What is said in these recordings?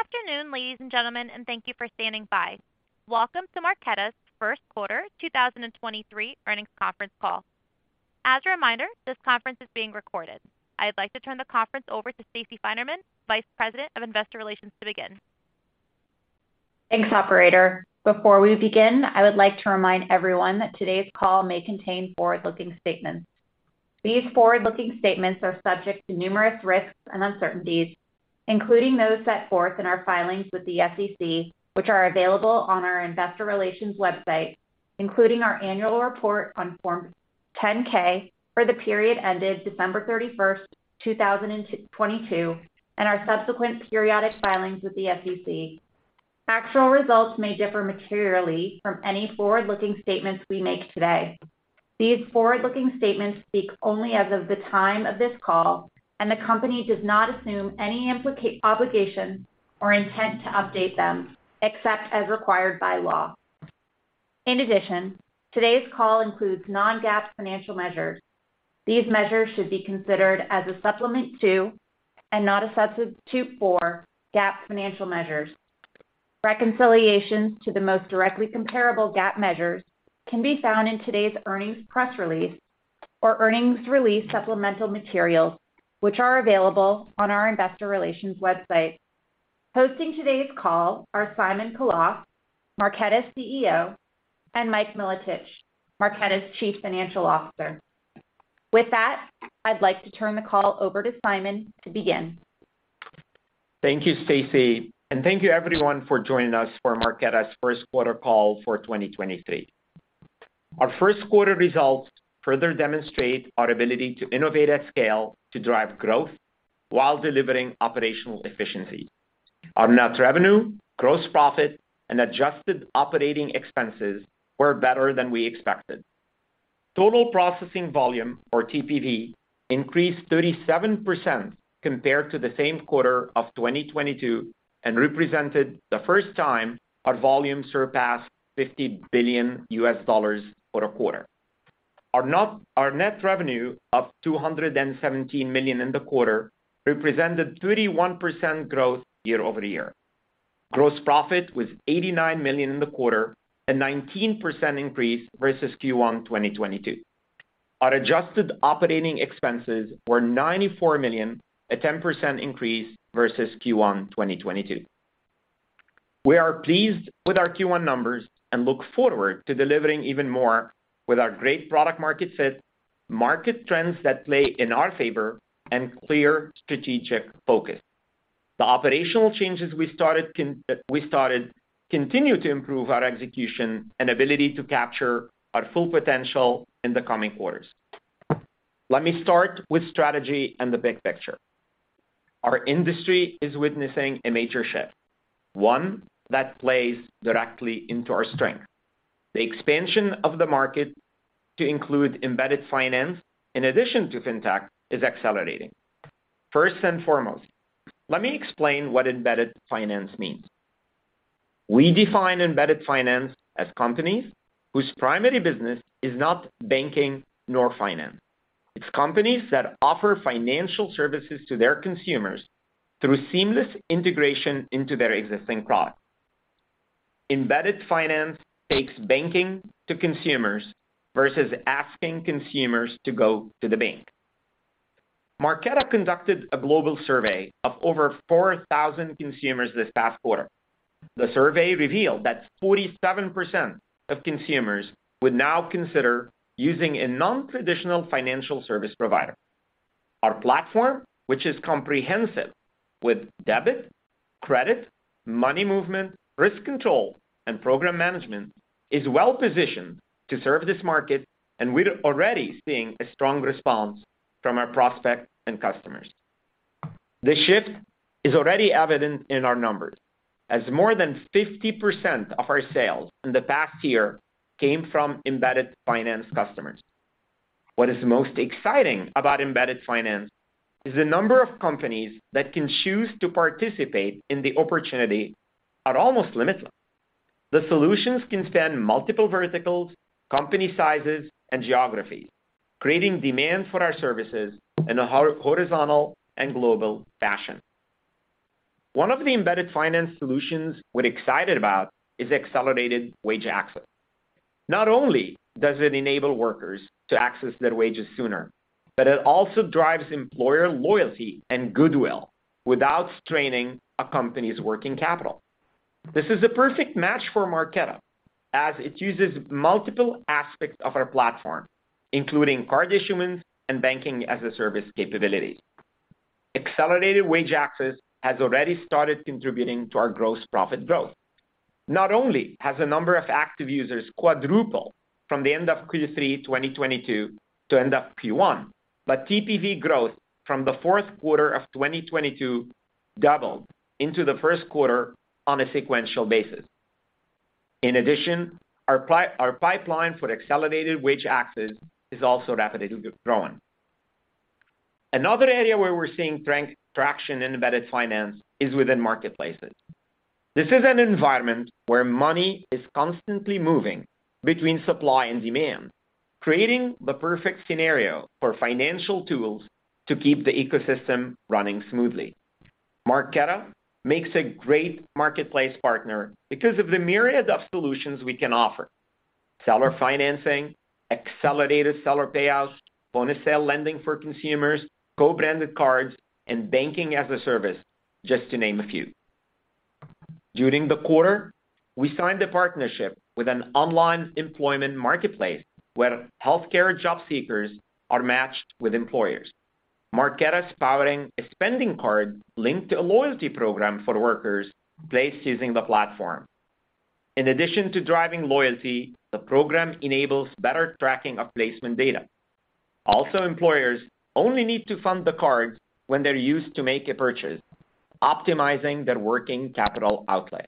Good afternoon, ladies and gentlemen, and thank you for standing by. Welcome to Marqeta's first quarter 2023 earnings conference call. As a reminder, this conference is being recorded. I'd like to turn the conference over to Stacey Finerman, Vice President of Investor Relations, to begin. Thanks, operator. Before we begin, I would like to remind everyone that today's call may contain forward-looking statements. These forward-looking statements are subject to numerous risks and uncertainties, including those set forth in our filings with the SEC, which are available on our Investor Relations website, including our annual report on form 10-K for the period ended December 31st, 2022, and our subsequent periodic filings with the SEC. Actual results may differ materially from any forward-looking statements we make today. These forward-looking statements speak only as of the time of this call. The company does not assume any obligation or intent to update them, except as required by law. In addition, today's call includes non-GAAP financial measures. These measures should be considered as a supplement to, and not a substitute for, GAAP financial measures. Reconciliations to the most directly comparable GAAP measures can be found in today's earnings press release or earnings release supplemental materials, which are available on our investor relations website. Hosting today's call are Simon Khalaf, Marqeta's CEO, and Mike Milotich, Marqeta's Chief Financial Officer. With that, I'd like to turn the call over to Simon to begin. Thank you, Stacey. Thank you everyone for joining us for Marqeta's first quarter call for 2023. Our first quarter results further demonstrate our ability to innovate at scale to drive growth while delivering operational efficiency. Our net revenue, gross profit, and adjusted operating expenses were better than we expected. Total processing volume or TPV increased 37% compared to the same quarter of 2022 and represented the first time our volume surpassed $50 billion for a quarter. Our net revenue of $217 million in the quarter represented 31% growth year-over-year. Gross profit was $89 million in the quarter, a 19% increase versus Q1 2022. Our adjusted operating expenses were $94 million, a 10% increase versus Q1 2022. We are pleased with our Q1 numbers and look forward to delivering even more with our great product market fit, market trends that play in our favor, and clear strategic focus. The operational changes we started continue to improve our execution and ability to capture our full potential in the coming quarters. Let me start with strategy and the big picture. Our industry is witnessing a major shift, one that plays directly into our strength. The expansion of the market to include Embedded Finance in addition to Fintech is accelerating. First and foremost, let me explain what Embedded Finance means. We define Embedded Finance as companies whose primary business is not banking nor finance. It's companies that offer financial services to their consumers through seamless integration into their existing product. Embedded Finance takes banking to consumers versus asking consumers to go to the bank. Marqeta conducted a global survey of over 4,000 consumers this past quarter. The survey revealed that 47% of consumers would now consider using a non-traditional financial service provider. Our platform, which is comprehensive with debit, credit, money movement, risk control, and program management, is well-positioned to serve this market, and we're already seeing a strong response from our prospects and customers. The shift is already evident in our numbers as more than 50% of our sales in the past year came from Embedded Finance customers. What is most exciting about Embedded Finance is the number of companies that can choose to participate in the opportunity are almost limitless. The solutions can span multiple verticals, company sizes, and geographies, creating demand for our services in a horizontal and global fashion. One of the Embedded Finance solutions we're excited about is accelerated wage access. Not only does it enable workers to access their wages sooner, but it also drives employer loyalty and goodwill without straining a company's working capital. This is a perfect match for Marqeta as it uses multiple aspects of our platform, including card issuance and banking-as-a-service capabilities. Accelerated wage access has already started contributing to our gross profit growth. Not only has the number of active users quadrupled from the end of Q3 2022 to end of Q1, but TPV growth from the fourth quarter of 2022 doubled into the first quarter on a sequential basis. In addition, our pipeline for accelerated wage access is also rapidly growing. Another area where we're seeing traction in Embedded Finance is within marketplaces. This is an environment where money is constantly moving between supply and demand, creating the perfect scenario for financial tools to keep the ecosystem running smoothly. Marqeta makes a great marketplace partner because of the myriad of solutions we can offer. Seller financing, accelerated seller payouts, point-of-sale lending for consumers, co-branded cards, and banking-as-a-service, just to name a few. During the quarter, we signed a partnership with an online employment marketplace where healthcare job seekers are matched with employers. Marqeta's powering a spending card linked to a loyalty program for workers placed using the platform. In addition to driving loyalty, the program enables better tracking of placement data. Employers only need to fund the card when they're used to make a purchase, optimizing their working capital outlay.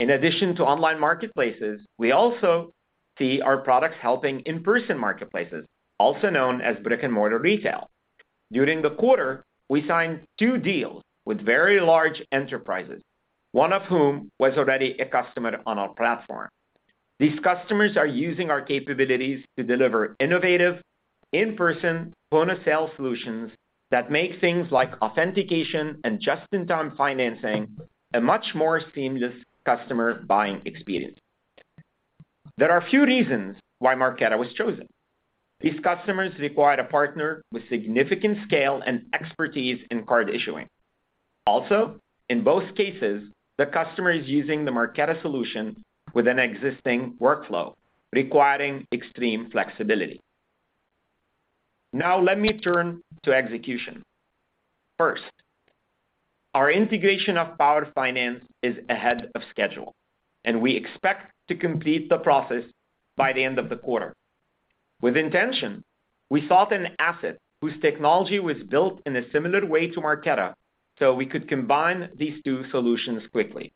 In addition to online marketplaces, we also see our products helping in-person marketplaces, also known as brick-and-mortar retail. During the quarter, we signed two deals with very large enterprises, one of whom was already a customer on our platform. These customers are using our capabilities to deliver innovative in-person point-of-sale solutions that make things like authentication and just-in-time financing a much more seamless customer buying experience. There are a few reasons why Marqeta was chosen. These customers required a partner with significant scale and expertise in card issuing. Also, in both cases, the customer is using the Marqeta solution with an existing workflow requiring extreme flexibility. Now let me turn to execution. First, our integration of Power Finance is ahead of schedule, and we expect to complete the process by the end of the quarter. With intention, we sought an asset whose technology was built in a similar way to Marqeta, so we could combine these two solutions quickly.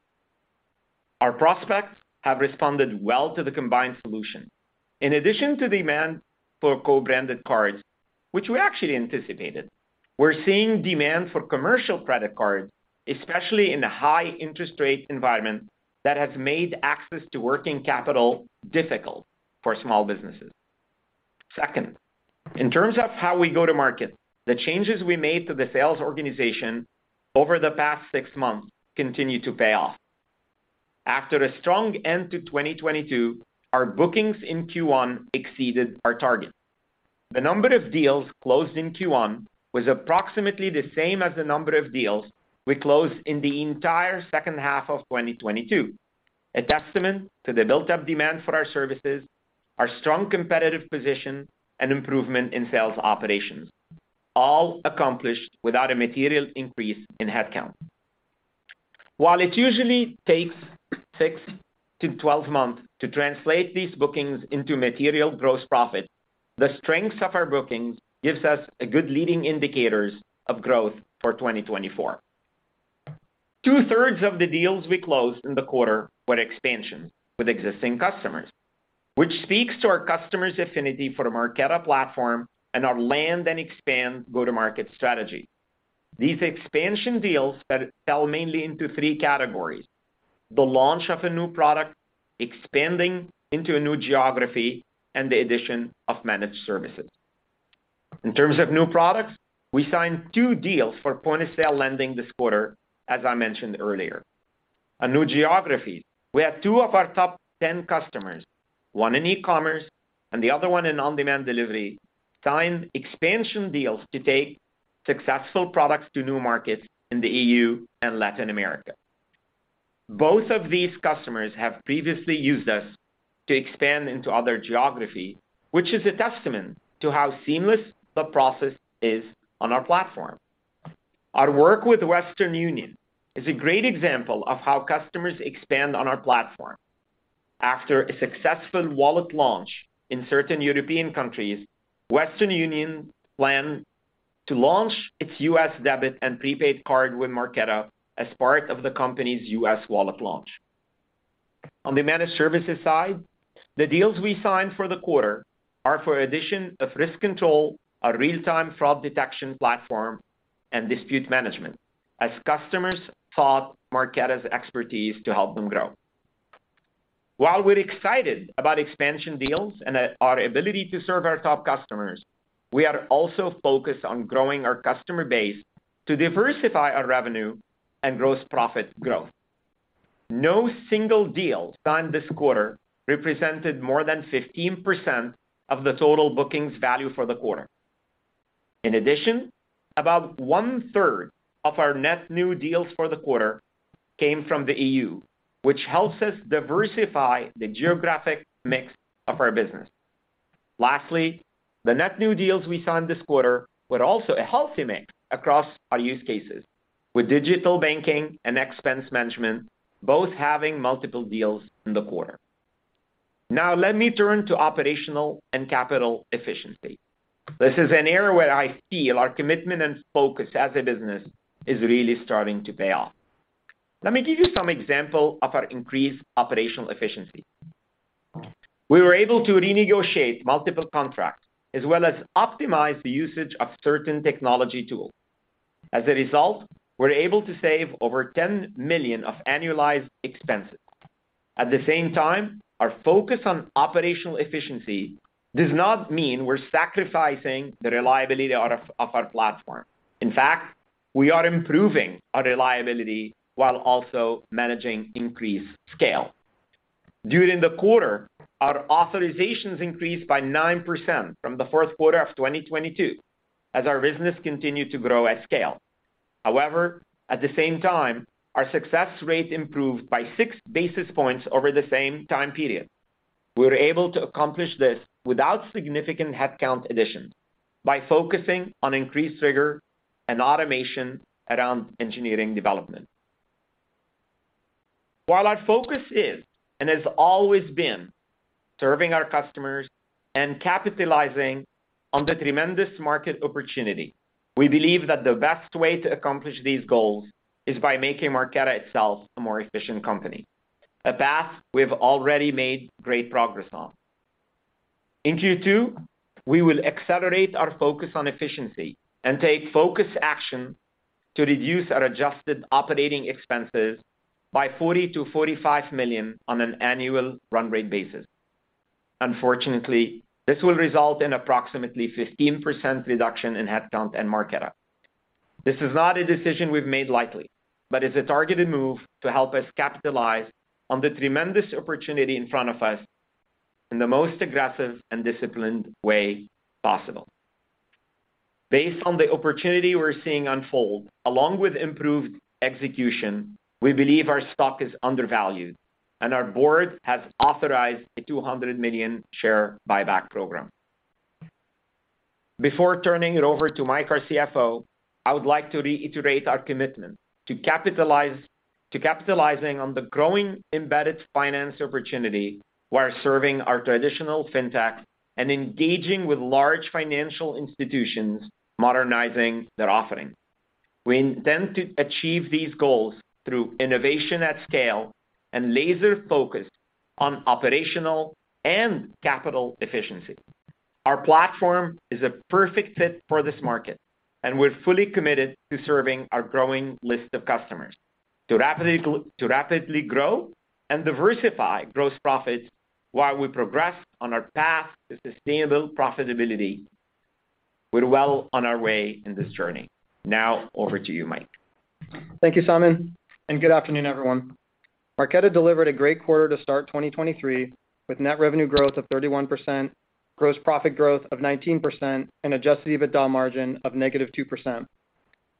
Our prospects have responded well to the combined solution. In addition to demand for co-branded cards, which we actually anticipated, we're seeing demand for commercial credit cards, especially in the high interest rate environment that has made access to working capital difficult for small businesses. Second, in terms of how we go to market, the changes we made to the sales organization over the past six months continue to pay off. After a strong end to 2022, our bookings in Q1 exceeded our target. The number of deals closed in Q1 was approximately the same as the number of deals we closed in the entire second half of 2022, a testament to the built-up demand for our services, our strong competitive position, and improvement in sales operations, all accomplished without a material increase in headcount. While it usually takes six to 12 months to translate these bookings into material gross profit, the strength of our bookings gives us a good leading indicators of growth for 2024. 2/3 of the deals we closed in the quarter were expansions with existing customers, which speaks to our customers' affinity for the Marqeta platform and our land and expand go-to-market strategy. These expansion deals fell mainly into three categories: the launch of a new product, expanding into a new geography, and the addition of managed services. In terms of new products, we signed two deals for point-of-sale lending this quarter, as I mentioned earlier. On new geographies, we have two of our top 10 customers, one in e-commerce and the other one in On-Demand delivery, signed expansion deals to take successful products to new markets in the E.U. and Latin America. Both of these customers have previously used us to expand into other geography, which is a testament to how seamless the process is on our platform. Our work with Western Union is a great example of how customers expand on our platform. After a successful wallet launch in certain European countries, Western Union plan to launch its U.S. debit and prepaid card with Marqeta as part of the company's U.S. wallet launch. On the managed services side, the deals we signed for the quarter are for addition of risk control, a real-time fraud detection platform, and dispute management, as customers sought Marqeta's expertise to help them grow. While we're excited about expansion deals and our ability to serve our top customers, we are also focused on growing our customer base to diversify our revenue and gross profit growth. No single deal signed this quarter represented more than 15% of the total bookings value for the quarter. In addition, about 1/3 of our net new deals for the quarter came from the E.U., which helps us diversify the geographic mix of our business. Lastly, the net new deals we signed this quarter were also a healthy mix across our use cases, with Digital Banking and Expense Management both having multiple deals in the quarter. Now let me turn to operational and capital efficiency. This is an area where I feel our commitment and focus as a business is really starting to pay off. Let me give you some example of our increased operational efficiency. We were able to renegotiate multiple contracts as well as optimize the usage of certain technology tools. As a result, we're able to save over $10 million of annualized expenses. At the same time, our focus on operational efficiency does not mean we're sacrificing the reliability of our platform. In fact, we are improving our reliability while also managing increased scale. During the quarter, our authorizations increased by 9% from the fourth quarter of 2022 as our business continued to grow at scale. At the same time, our success rate improved by 6 basis points over the same time period. We were able to accomplish this without significant headcount additions by focusing on increased rigor and automation around engineering development. Our focus is, and has always been, serving our customers and capitalizing on the tremendous market opportunity, we believe that the best way to accomplish these goals is by making Marqeta itself a more efficient company, a path we have already made great progress on. In Q2, we will accelerate our focus on efficiency and take focused action to reduce our adjusted operating expenses by $40 million-$45 million on an annual run rate basis. Unfortunately, this will result in approximately 15% reduction in headcount at Marqeta. This is not a decision we've made lightly, but it's a targeted move to help us capitalize on the tremendous opportunity in front of us in the most aggressive and disciplined way possible. Based on the opportunity we're seeing unfold, along with improved execution, we believe our stock is undervalued, and our board has authorized a $200 million share buyback program. Before turning it over to Mike, our CFO, I would like to reiterate our commitment to capitalizing on the growing Embedded Finance opportunity while serving our traditional Fintech and engaging with large financial institutions modernizing their offering. We intend to achieve these goals through innovation at scale and laser focus on operational and capital efficiency. Our platform is a perfect fit for this market, and we're fully committed to serving our growing list of customers to rapidly grow and diversify gross profits while we progress on our path to sustainable profitability. We're well on our way in this journey. Now, over to you, Mike. Thank you, Simon, and good afternoon, everyone. Marqeta delivered a great quarter to start 2023 with net revenue growth of 31%, gross profit growth of 19%, and adjusted EBITDA margin of -2%.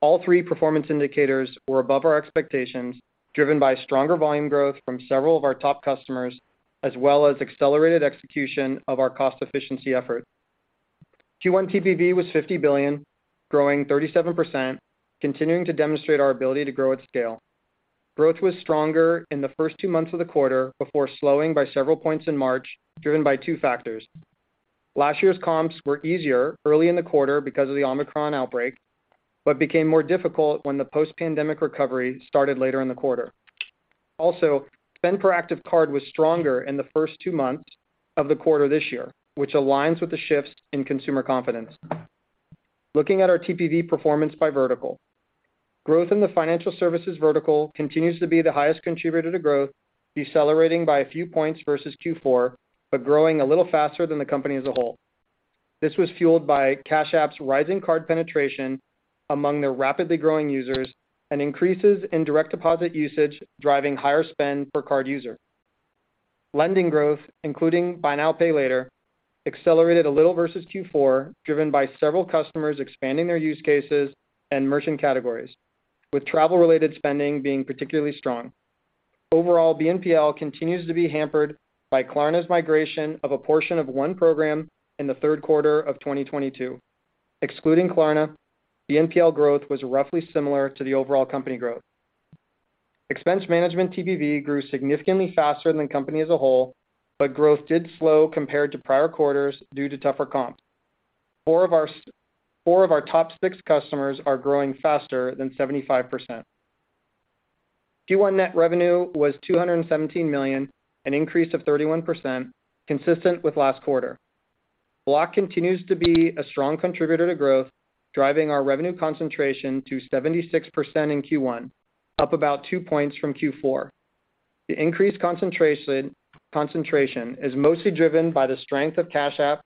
All three performance indicators were above our expectations, driven by stronger volume growth from several of our top customers, as well as accelerated execution of our cost efficiency efforts. Q1 TPV was $50 billion, growing 37%, continuing to demonstrate our ability to grow at scale. Growth was stronger in the first two months of the quarter before slowing by several points in March, driven by two factors. Last year's comps were easier early in the quarter because of the Omicron outbreak, but became more difficult when the post-pandemic recovery started later in the quarter. Spend per active card was stronger in the first two months of the quarter this year, which aligns with the shifts in consumer confidence. Looking at our TPV performance by vertical. Growth in the financial services vertical continues to be the highest contributor to growth, decelerating by a few points versus Q4, but growing a little faster than the company as a whole. This was fueled by Cash App's rising card penetration among their rapidly growing users and increases in direct deposit usage, driving higher spend per card user. Lending growth, including Buy Now, Pay Later, accelerated a little versus Q4, driven by several customers expanding their use cases and merchant categories, with travel-related spending being particularly strong. Overall, BNPL continues to be hampered by Klarna's migration of a portion of one program in the third quarter of 2022. Excluding Klarna, BNPL growth was roughly similar to the overall company growth. Expense Management TPV grew significantly faster than the company as a whole, but growth did slow compared to prior quarters due to tougher comps. Four of our top six customers are growing faster than 75%. Q1 net revenue was $217 million, an increase of 31%, consistent with last quarter. Block continues to be a strong contributor to growth, driving our revenue concentration to 76% in Q1, up about 2 points from Q4. The increased concentration is mostly driven by the strength of Cash App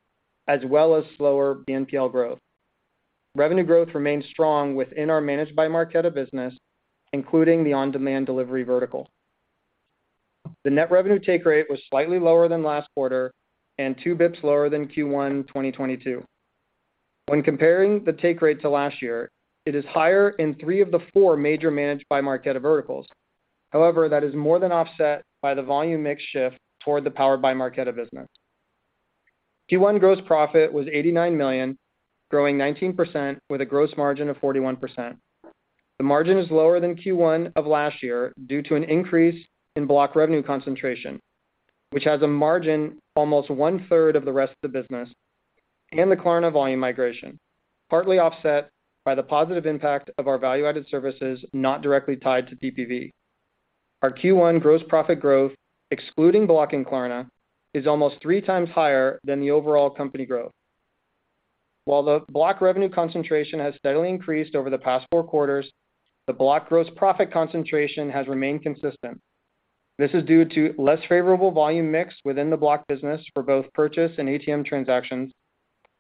as well as slower BNPL growth. Revenue growth remains strong within our Managed by Marqeta business, including the On-Demand delivery vertical. The net revenue take rate was slightly lower than last quarter and 2 basis points lower than Q1 2022. When comparing the take rate to last year, it is higher in three of the four major Managed by Marqeta verticals. That is more than offset by the volume mix shift toward the Powered by Marqeta business. Q1 gross profit was $89 million, growing 19% with a gross margin of 41%. The margin is lower than Q1 of last year due to an increase in Block revenue concentration, which has a margin almost 1/3 of the rest of the business. The Klarna volume migration, partly offset by the positive impact of our value-added services not directly tied to TPV. Our Q1 gross profit growth, excluding Block and Klarna, is almost 3x higher than the overall company growth. While the Block revenue concentration has steadily increased over the past four quarters, the Block gross profit concentration has remained consistent. This is due to less favorable volume mix within the Block business for both purchase and ATM transactions,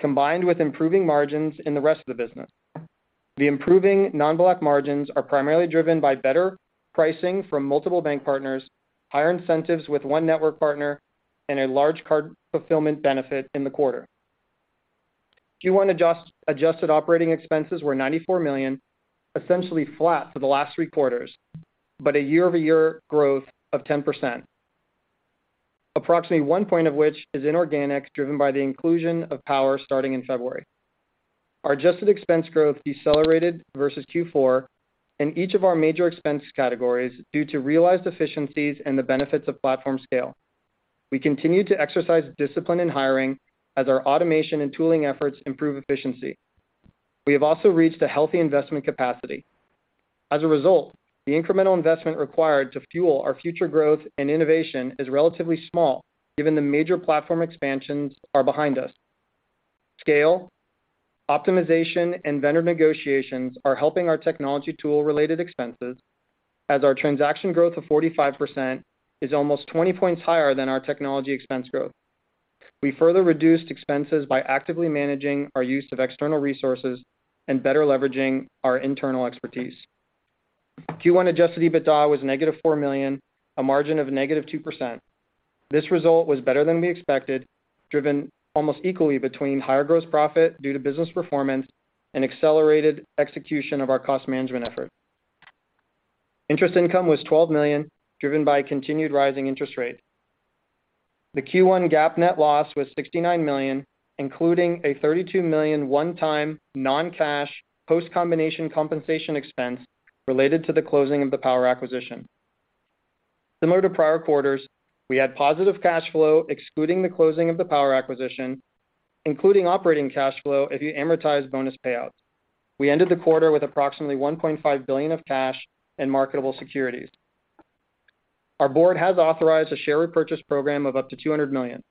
combined with improving margins in the rest of the business. The improving non-Block margins are primarily driven by better pricing from multiple bank partners, higher incentives with one network partner, and a large card fulfillment benefit in the quarter. Q1 adjusted operating expenses were $94 million, essentially flat for the last three quarters. A year-over-year growth of 10%. Approximately one point of which is inorganic, driven by the inclusion of Power starting in February. Our adjusted expense growth decelerated versus Q4 in each of our major expense categories due to realized efficiencies and the benefits of platform scale. We continued to exercise discipline in hiring as our automation and tooling efforts improve efficiency. We have also reached a healthy investment capacity. As a result, the incremental investment required to fuel our future growth and innovation is relatively small given the major platform expansions are behind us. Scale, optimization, and vendor negotiations are helping our technology tool-related expenses as our transaction growth of 45% is almost 20 points higher than our technology expense growth. We further reduced expenses by actively managing our use of external resources and better leveraging our internal expertise. Q1 adjusted EBITDA was -$4 million, a margin of -2%. This result was better than we expected, driven almost equally between higher gross profit due to business performance and accelerated execution of our cost management effort. Interest income was $12 million, driven by continued rising interest rates. The Q1 GAAP net loss was $69 million, including a $32 million one-time non-cash post-combination compensation expense related to the closing of the Power acquisition. Similar to prior quarters, we had positive cash flow excluding the closing of the Power acquisition, including operating cash flow if you amortize bonus payouts. We ended the quarter with approximately $1.5 billion of cash and marketable securities. Our board has authorized a share repurchase program of up to $200 million.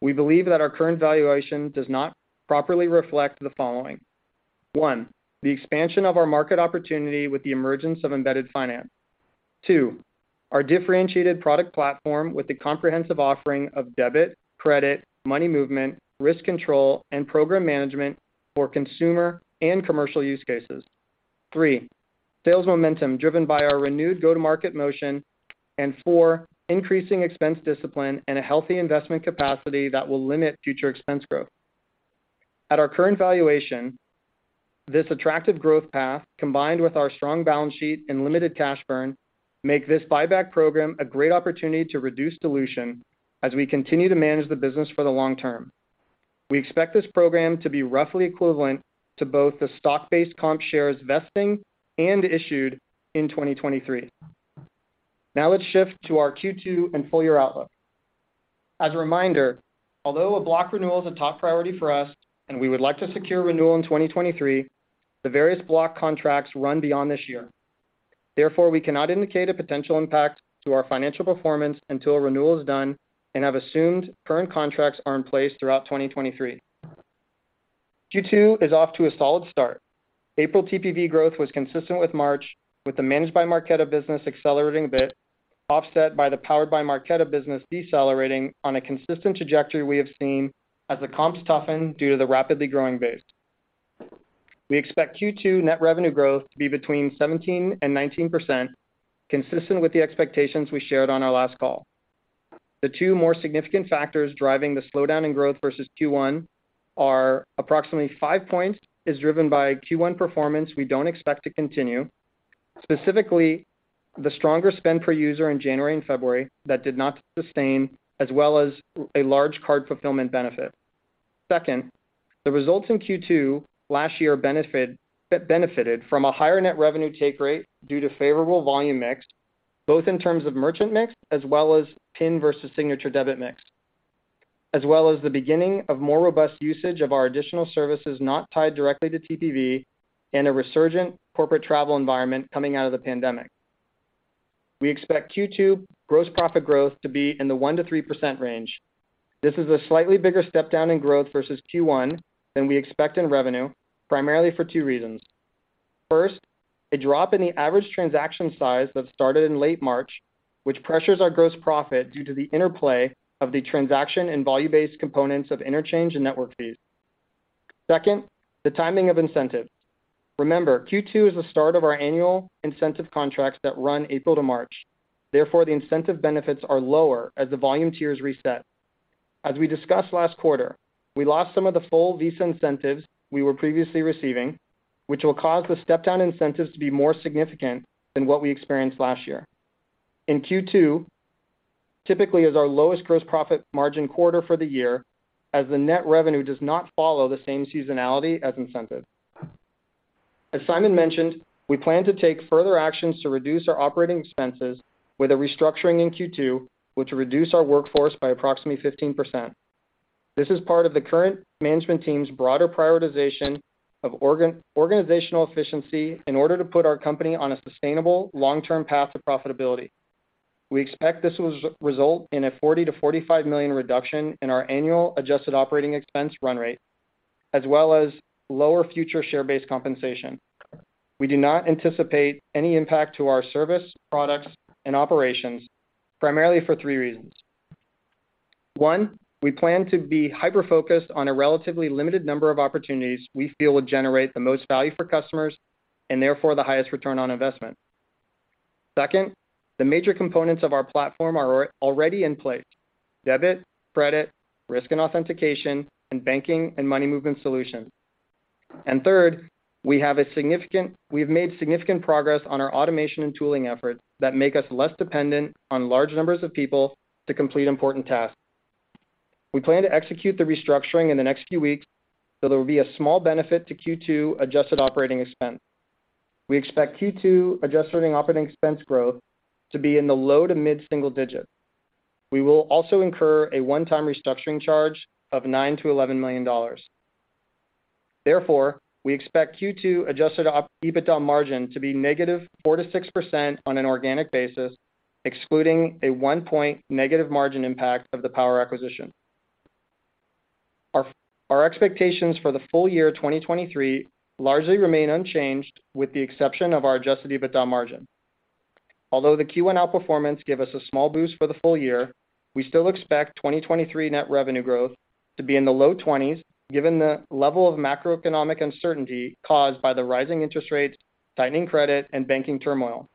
We believe that our current valuation does not properly reflect the following. One, the expansion of our market opportunity with the emergence of Embedded Finance. Two, our differentiated product platform with the comprehensive offering of debit, credit, money movement, risk control, and program management for consumer and commercial use cases. Three, sales momentum driven by our renewed go-to-market motion. And four, increasing expense discipline and a healthy investment capacity that will limit future expense growth. At our current valuation, this attractive growth path, combined with our strong balance sheet and limited cash burn, make this buyback program a great opportunity to reduce dilution as we continue to manage the business for the long term. We expect this program to be roughly equivalent to both the stock-based comp shares vesting and issued in 2023. Let's shift to our Q2 and full year outlook. As a reminder, although a Block renewal is a top priority for us and we would like to secure renewal in 2023, the various Block contracts run beyond this year. We cannot indicate a potential impact to our financial performance until a renewal is done and have assumed current contracts are in place throughout 2023. Q2 is off to a solid start. April TPV growth was consistent with March, with the Managed by Marqeta business accelerating a bit, offset by the Powered by Marqeta business decelerating on a consistent trajectory we have seen as the comps toughen due to the rapidly growing base. We expect Q2 net revenue growth to be between 17% and 19%, consistent with the expectations we shared on our last call. The two more significant factors driving the slowdown in growth versus Q1 are approximately 5 points is driven by Q1 performance we don't expect to continue. Specifically, the stronger spend per user in January and February that did not sustain as well as a large card fulfillment benefit. The results in Q2 last year benefited from a higher net revenue take rate due to favorable volume mix, both in terms of merchant mix as well as PIN versus signature debit mix, as well as the beginning of more robust usage of our additional services not tied directly to TPV and a resurgent corporate travel environment coming out of the pandemic. We expect Q2 gross profit growth to be in the 1%-3% range. This is a slightly bigger step down in growth versus Q1 than we expect in revenue, primarily for two reasons. First, a drop in the average transaction size that started in late March, which pressures our gross profit due to the interplay of the transaction and volume-based components of interchange and network fees. The timing of incentives. Q2 is the start of our annual incentive contracts that run April to March. The incentive benefits are lower as the volume tiers reset. As we discussed last quarter, we lost some of the full Visa incentives we were previously receiving, which will cause the step-down incentives to be more significant than what we experienced last year. Q2, typically is our lowest gross profit margin quarter for the year, as the net revenue does not follow the same seasonality as incentive. As Simon mentioned, we plan to take further actions to reduce our operating expenses with a restructuring in Q2, which will reduce our workforce by approximately 15%. This is part of the current management team's broader prioritization of organizational efficiency in order to put our company on a sustainable long-term path to profitability. We expect this will result in a $40 million-$45 million reduction in our annual adjusted operating expense run rate as well as lower future share-based compensation. We do not anticipate any impact to our service, products, and operations primarily for three reasons. One, we plan to be hyper-focused on a relatively limited number of opportunities we feel would generate the most value for customers and therefore the highest return on investment. Second, the major components of our platform are already in place, debit, credit, risk and authentication, and banking and money movement solutions. Third, we've made significant progress on our automation and tooling efforts that make us less dependent on large numbers of people to complete important tasks. We plan to execute the restructuring in the next few weeks, there will be a small benefit to Q2 adjusted operating expense. We expect Q2 adjusted operating expense growth to be in the low to mid-single digit. We will also incur a one-time restructuring charge of $9 million-$11 million. We expect Q2 adjusted EBITDA margin to be -4% to -6% on an organic basis, excluding a -1 point margin impact of the Power acquisition. Our expectations for the full year 2023 largely remain unchanged with the exception of our adjusted EBITDA margin. Although the Q1 outperformance give us a small boost for the full year, we still expect 2023 net revenue growth to be in the low 20s, given the level of macroeconomic uncertainty caused by the rising interest rates, tightening credit, and banking turmoil.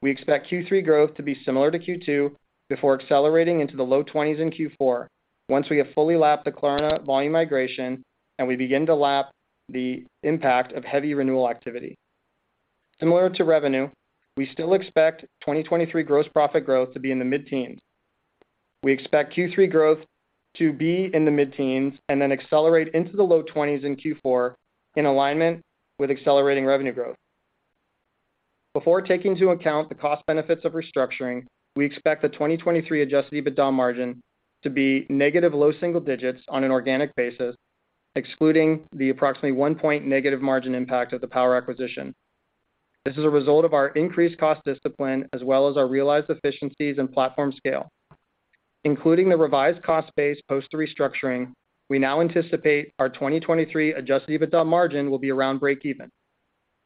We expect Q3 growth to be similar to Q2 before accelerating into the low 20s in Q4. Once we have fully lapped the Klarna volume migration, and we begin to lap the impact of heavy renewal activity. Similar to revenue, we still expect 2023 gross profit growth to be in the mid-teens. We expect Q3 growth to be in the mid-teens and then accelerate into the low 20s in Q4 in alignment with accelerating revenue growth. Before taking into account the cost benefits of restructuring, we expect the 2023 adjusted EBITDA margin to be negative low single digits on an organic basis, excluding the approximately one point negative margin impact of the Power acquisition. This is a result of our increased cost discipline as well as our realized efficiencies and platform scale. Including the revised cost base post to restructuring, we now anticipate our 2023 adjusted EBITDA margin will be around breakeven.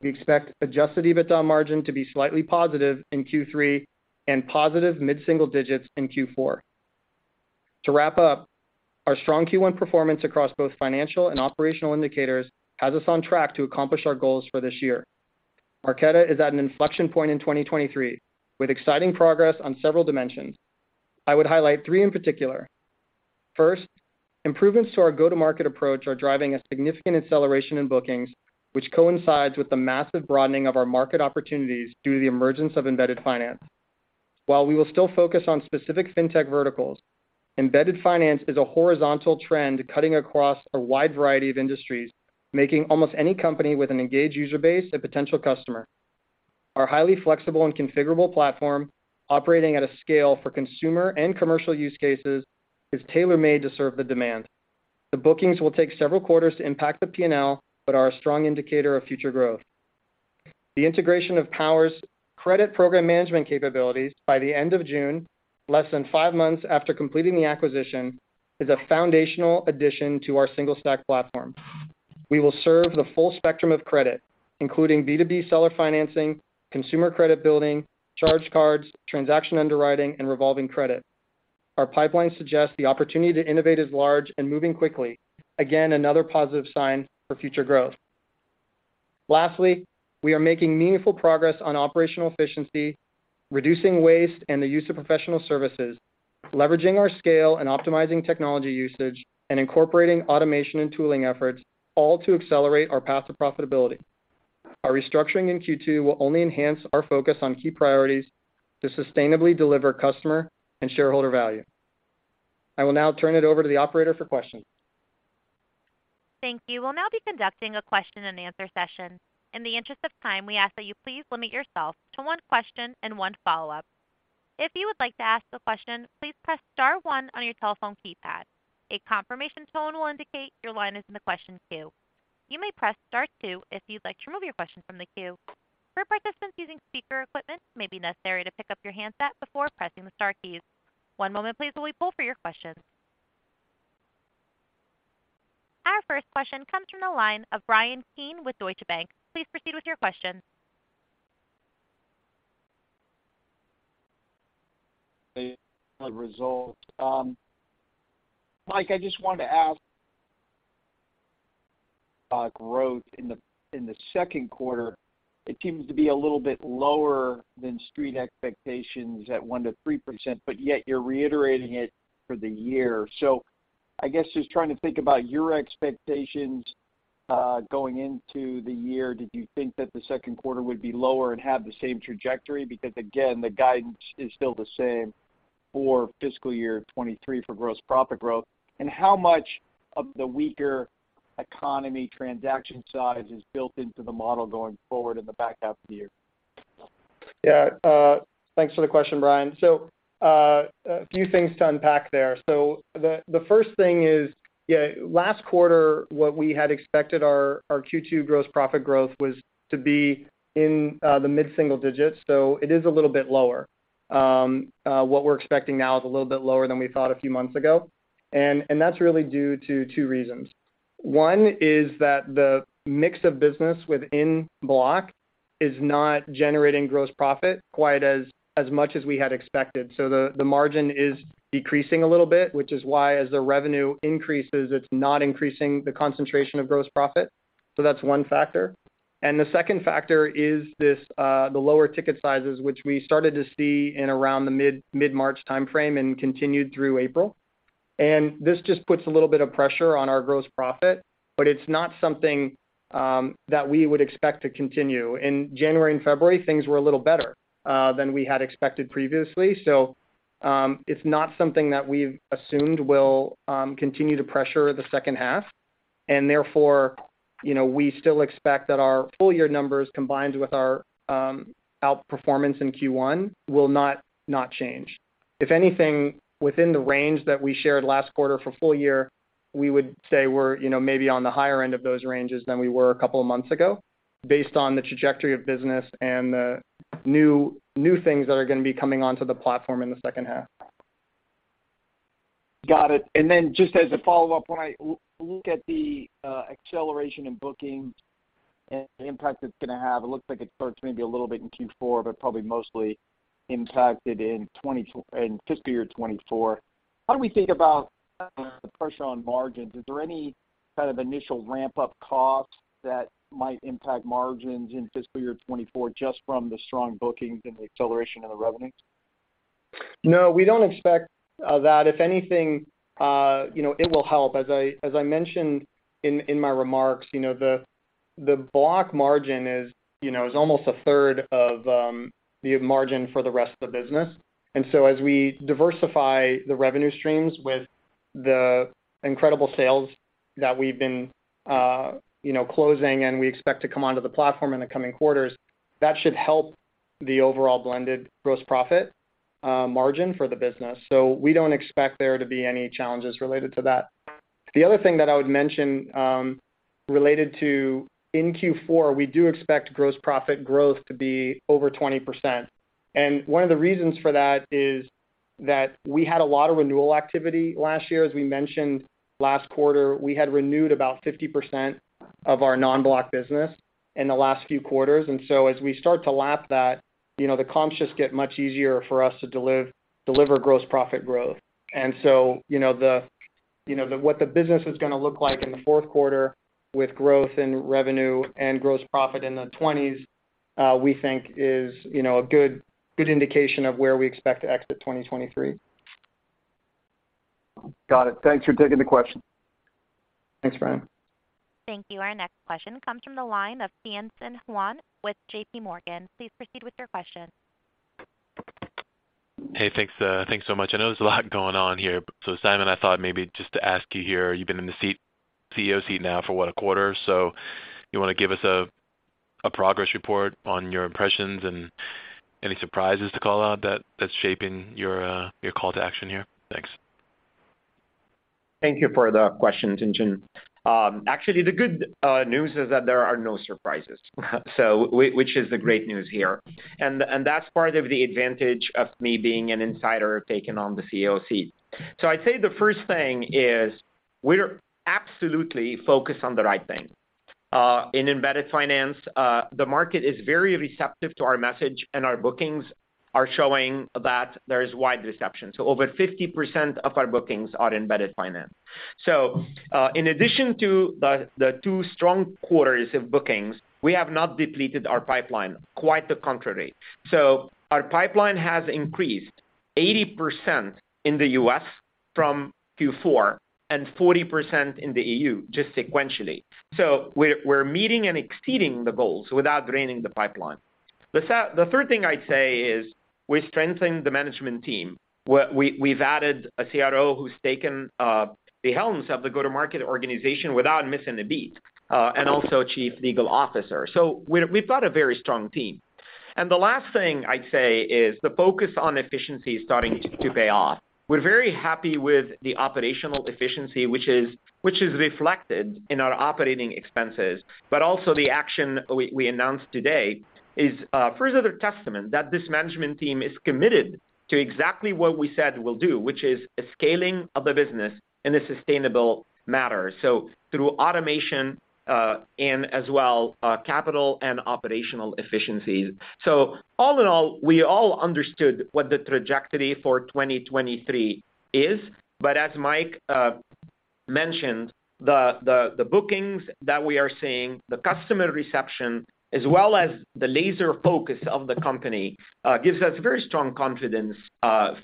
We expect adjusted EBITDA margin to be slightly positive in Q3 and positive mid-single digits in Q4. To wrap up, our strong Q1 performance across both financial and operational indicators has us on track to accomplish our goals for this year. Marqeta is at an inflection point in 2023 with exciting progress on several dimensions. I would highlight three in particular. First, improvements to our go-to-market approach are driving a significant acceleration in bookings, which coincides with the massive broadening of our market opportunities due to the emergence of Embedded Finance. While we will still focus on specific Fintech verticals, Embedded Finance is a horizontal trend cutting across a wide variety of industries, making almost any company with an engaged user base a potential customer. Our highly flexible and configurable platform operating at a scale for consumer and commercial use cases is tailor-made to serve the demand. The bookings will take several quarters to impact the P&L, but are a strong indicator of future growth. The integration of Power's credit program management capabilities by the end of June, less than five months after completing the acquisition, is a foundational addition to our single stack platform. We will serve the full spectrum of credit, including B2B seller financing, consumer credit building, charge cards, transaction underwriting, and revolving credit. Our pipeline suggests the opportunity to innovate is large and moving quickly. Again, another positive sign for future growth. Lastly, we are making meaningful progress on operational efficiency, reducing waste and the use of professional services, leveraging our scale and optimizing technology usage, and incorporating automation and tooling efforts all to accelerate our path to profitability. Our restructuring in Q2 will only enhance our focus on key priorities to sustainably deliver customer and shareholder value. I will now turn it over to the operator for questions. Thank you. We'll now be conducting a question and answer session. In the interest of time, we ask that you please limit yourself to one question and one follow-up. If you would like to ask a question, please press star one on your telephone keypad. A confirmation tone will indicate your line is in the question queue. You may press star two if you'd like to remove your question from the queue. For participants using speaker equipment, it may be necessary to pick up your handset before pressing the star keys. One moment please while we pull for your questions. Our first question comes from the line of Bryan Keane with Deutsche Bank. Please proceed with your question. The result. Mike, I just wanted to ask about growth in the second quarter. It seems to be a little bit lower than street expectations at 1%-3%, but yet you're reiterating it for the year. I guess just trying to think about your expectations going into the year, did you think that the second quarter would be lower and have the same trajectory? Because again, the guidance is still the same For fiscal year 2023 for gross profit growth, and how much of the weaker economy transaction size is built into the model going forward in the back half of the year? Yeah, thanks for the question, Bryan. A few things to unpack there. The first thing is, yeah, last quarter, what we had expected our Q2 gross profit growth was to be in the mid-single digits, it is a little bit lower. What we're expecting now is a little bit lower than we thought a few months ago. That's really due to two reasons. One is that the mix of business within Block is not generating gross profit quite as much as we had expected. The margin is decreasing a little bit, which is why as the revenue increases, it's not increasing the concentration of gross profit. That's one factor. The second factor is this, the lower ticket sizes, which we started to see in around the mid-March timeframe and continued through April. This just puts a little bit of pressure on our gross profit, but it's not something that we would expect to continue. In January and February, things were a little better than we had expected previously. It's not something that we've assumed will continue to pressure the second half. You know, we still expect that our full year numbers combined with our outperformance in Q1 will not change. If anything, within the range that we shared last quarter for full year, we would say we're, you know, maybe on the higher end of those ranges than we were a couple of months ago based on the trajectory of business and the new things that are gonna be coming onto the platform in the second half. Got it. Then just as a follow-up, when I look at the acceleration in bookings and the impact it's gonna have, it looks like it starts maybe a little bit in Q4, but probably mostly impacted in fiscal year 2024. How do we think about the pressure on margins? Is there any kind of initial ramp-up costs that might impact margins in fiscal year 2024 just from the strong bookings and the acceleration of the revenue? No, we don't expect that. If anything, you know, it will help. As I mentioned in my remarks, you know, the Block margin is, you know, almost a third of the margin for the rest of the business. As we diversify the revenue streams with the incredible sales that we've been, you know, closing and we expect to come onto the platform in the coming quarters, that should help the overall blended gross profit margin for the business. We don't expect there to be any challenges related to that. The other thing that I would mention related to in Q4, we do expect gross profit growth to be over 20%. One of the reasons for that is that we had a lot of renewal activity last year. As we mentioned last quarter, we had renewed about 50% of our non-Block business in the last few quarters. As we start to lap that, you know, the comps just get much easier for us to deliver gross profit growth. You know, what the business is gonna look like in the fourth quarter with growth in revenue and gross profit in the 20s, we think is, you know, a good indication of where we expect to exit 2023. Got it. Thanks for taking the question. Thanks, Bryan. Thank you. Our next question comes from the line of Tien-tsin Huang with JPMorgan. Please proceed with your question. Hey, thanks so much. I know there's a lot going on here. Simon, I thought maybe just to ask you here, you've been in the CEO seat now for what? A quarter. You wanna give us a progress report on your impressions and any surprises to call out that's shaping your call to action here? Thanks. Thank you for the question, Tien-tsin. Actually, the good news is that there are no surprises, which is the great news here. That's part of the advantage of me being an insider taking on the CEO seat. I'd say the first thing is we're absolutely focused on the right thing. In Embedded Finance, the market is very receptive to our message, and our bookings are showing that there is wide reception. Over 50% of our bookings are Embedded Finance. In addition to the two strong quarters of bookings, we have not depleted our pipeline. Quite the contrary. Our pipeline has increased 80% in the U.S. from Q4 and 40% in the E.U., just sequentially. We're meeting and exceeding the goals without draining the pipeline. The third thing I'd say is we're strengthening the management team. We've added a CRO who's taken the helms of the go-to-market organization without missing a beat and also chief legal officer. We've got a very strong team. The last thing I'd say is the focus on efficiency is starting to pay off. We're very happy with the operational efficiency, which is reflected in our operating expenses. Also the action we announced today is further testament that this management team is committed to exactly what we said we'll do, which is a scaling of the business in a sustainable manner, so through automation and as well capital and operational efficiencies. All in all, we all understood what the trajectory for 2023 is, but as Mike mentioned, the bookings that we are seeing, the customer reception, as well as the laser focus of the company gives us very strong confidence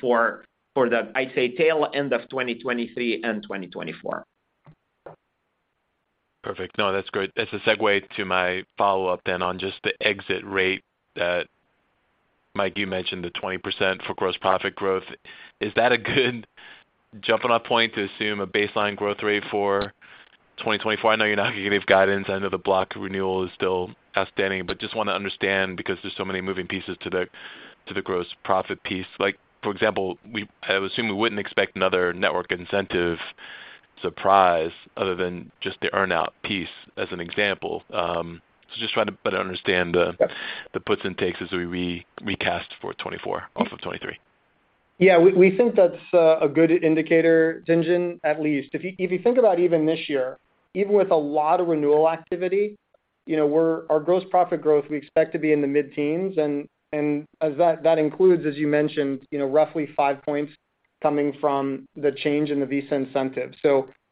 for the, I'd say, tail end of 2023 and 2024. Perfect. No, that's great. That's a segue to my follow-up then on just the exit rate that, Mike, you mentioned the 20% for gross profit growth. Is that a good jumping off point to assume a baseline growth rate for 2024? I know you're not gonna give guidance. I know the Block renewal is still outstanding, but just wanna understand because there's so many moving pieces to the, to the gross profit piece. Like, for example, I would assume we wouldn't expect another network incentive surprise other than just the earn-out piece, as an example. just trying to better understand the— Yep. — the puts and takes as we re-recast for 2024 off of 2023. Yeah. We think that's a good indicator, Tien-tsin, at least. If you think about even this year, even with a lot of renewal activity, you know, our gross profit growth, we expect to be in the mid-teens and as that includes, as you mentioned, you know, roughly 5 points coming from the change in the Visa incentive.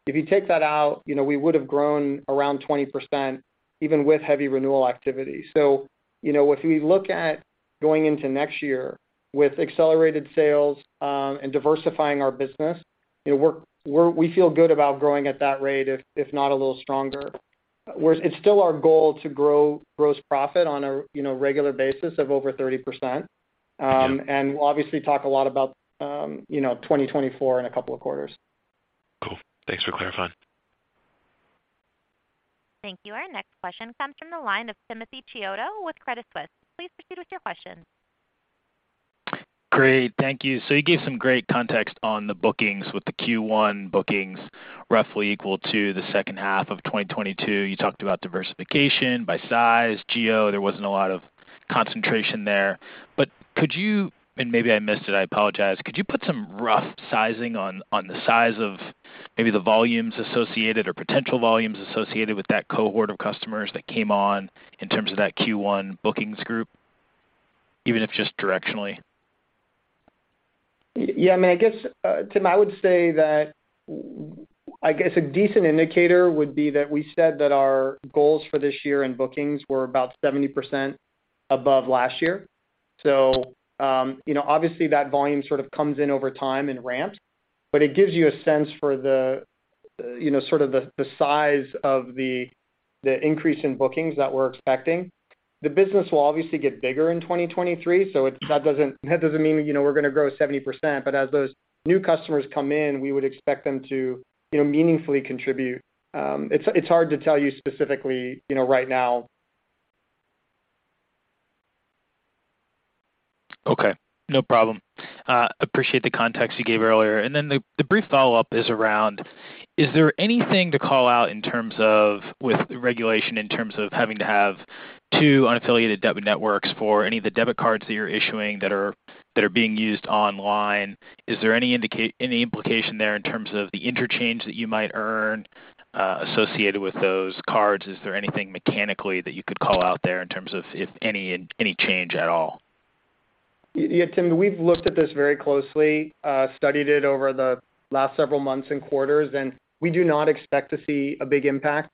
If you take that out, you know, we would have grown around 20% even with heavy renewal activity. If we look at going into next year with accelerated sales and diversifying our business, you know, we feel good about growing at that rate if not a little stronger. It's still our goal to grow gross profit on a, you know, regular basis of over 30%. Yeah. We'll obviously talk a lot about, you know, 2024 in a couple of quarters. Cool. Thanks for clarifying. Thank you. Our next question comes from the line of Timothy Chiodo with Credit Suisse. Please proceed with your question. Great. Thank you. You gave some great context on the bookings with the Q1 bookings roughly equal to the second half of 2022. You talked about diversification by size, geo. There wasn't a lot of concentration there. Could you, and maybe I missed it, I apologize, could you put some rough sizing on the size of maybe the volumes associated or potential volumes associated with that cohort of customers that came on in terms of that Q1 bookings group, even if just directionally? Yeah, I mean, I guess, Tim, I would say that I guess a decent indicator would be that we said that our goals for this year in bookings were about 70% above last year. you know, obviously that volume sort of comes in over time and ramps, but it gives you a sense for the, you know, sort of the size of the increase in bookings that we're expecting. The business will obviously get bigger in 2023, that doesn't, that doesn't mean, you know, we're gonna grow 70%. As those new customers come in, we would expect them to, you know, meaningfully contribute. It's, it's hard to tell you specifically, you know, right now. Okay. No problem. Appreciate the context you gave earlier. The brief follow-up is around, is there anything to call out in terms of with regulation in terms of having to have two unaffiliated debit networks for any of the debit cards that you're issuing that are being used online? Is there any implication there in terms of the interchange that you might earn associated with those cards? Is there anything mechanically that you could call out there in terms of if any change at all? Yeah, Tim, we've looked at this very closely, studied it over the last several months and quarters, and we do not expect to see a big impact.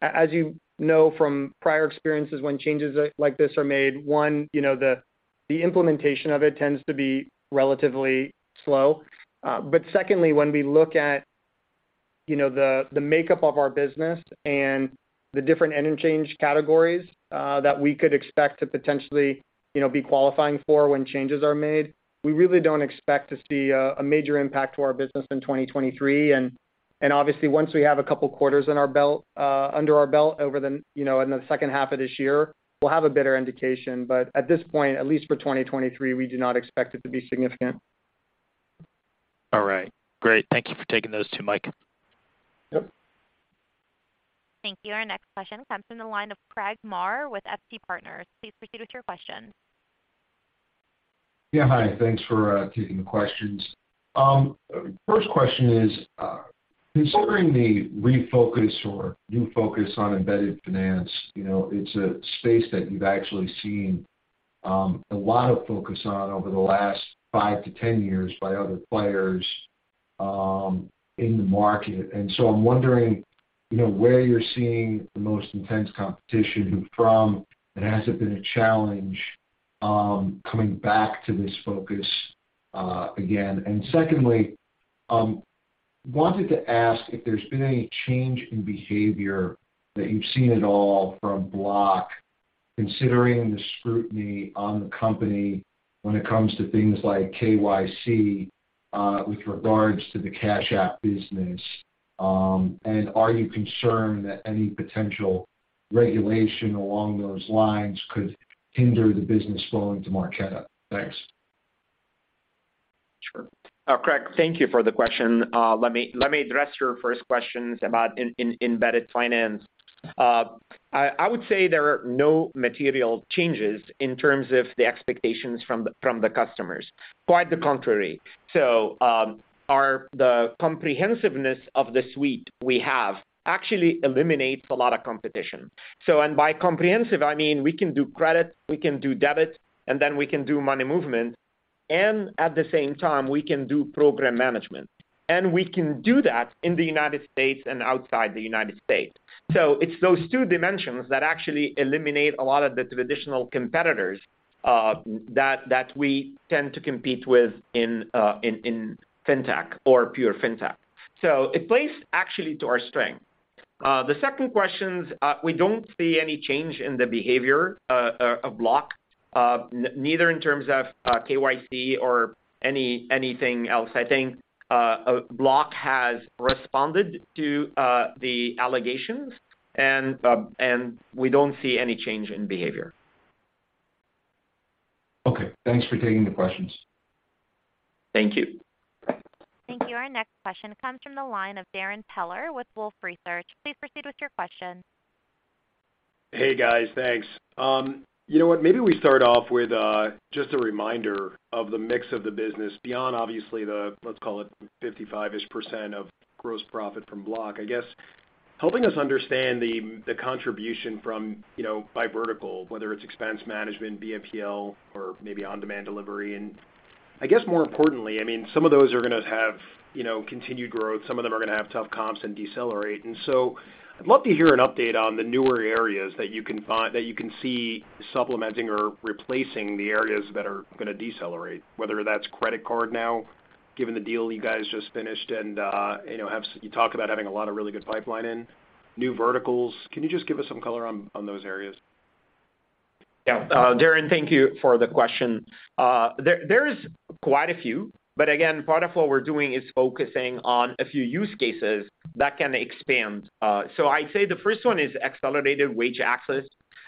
As you know, from prior experiences when changes like this are made, one, you know, the implementation of it tends to be relatively slow. But secondly, when we look at, you know, the makeup of our business and the different interchange categories that we could expect to potentially, you know, be qualifying for when changes are made, we really don't expect to see a major impact to our business in 2023. Obviously once we have a couple quarters in our belt under our belt over the, you know, in the second half of this year, we'll have a better indication. At this point, at least for 2023, we do not expect it to be significant. All right. Great. Thank you for taking those two, Mike. Yep. Thank you. Our next question comes from the line of Craig Maurer with FT Partners. Please proceed with your question. Hi. Thanks for taking the questions. First question is, considering the refocus or new focus on Embedded Finance, you know, it's a space that you've actually seen a lot of focus on over the last five to 10 years by other players in the market. I'm wondering, you know, where you're seeing the most intense competition from, and has it been a challenge coming back to this focus again? Secondly, wanted to ask if there's been any change in behavior that you've seen at all from Block considering the scrutiny on the company when it comes to things like KYC with regards to the Cash App business. Are you concerned that any potential regulation along those lines could hinder the business flowing to Marqeta? Thanks. Sure. Craig, thank you for the question. Let me address your first questions about Embedded Finance. I would say there are no material changes in terms of the expectations from the customers. Quite the contrary. The comprehensiveness of the suite we have actually eliminates a lot of competition. And by comprehensive, I mean, we can do credit, we can do debit, and then we can do money movement, and at the same time, we can do program management. And we can do that in the United States and outside the United States. It's those two dimensions that actually eliminate a lot of the traditional competitors. That we tend to compete with in Fintech or pure fintech. It plays actually to our strength. The second question, we don't see any change in the behavior of Block, neither in terms of KYC or anything else. I think Block has responded to the allegations, and we don't see any change in behavior. Okay. Thanks for taking the questions. Thank you. Thank you. Our next question comes from the line of Darrin Peller with Wolfe Research. Please proceed with your question. Hey, guys. Thanks. You know what? Maybe we start off with just a reminder of the mix of the business beyond obviously the, let's call it 55%-ish of gross profit from Block. I guess helping us understand the contribution from, you know, by vertical, whether it's Expense Management, BNPL or maybe On-Demand delivery. I guess more importantly, I mean, some of those are gonna have, you know, continued growth, some of them are gonna have tough comps and decelerate. I'd love to hear an update on the newer areas that you can see supplementing or replacing the areas that are gonna decelerate, whether that's credit card now, given the deal you guys just finished and, you know, you talk about having a lot of really good pipeline in new verticals. Can you just give us some color on those areas? Yeah. Darrin, thank you for the question. there is quite a few, but again, part of what we're doing is focusing on a few use cases that can expand. I'd say the first one is accelerated wage access.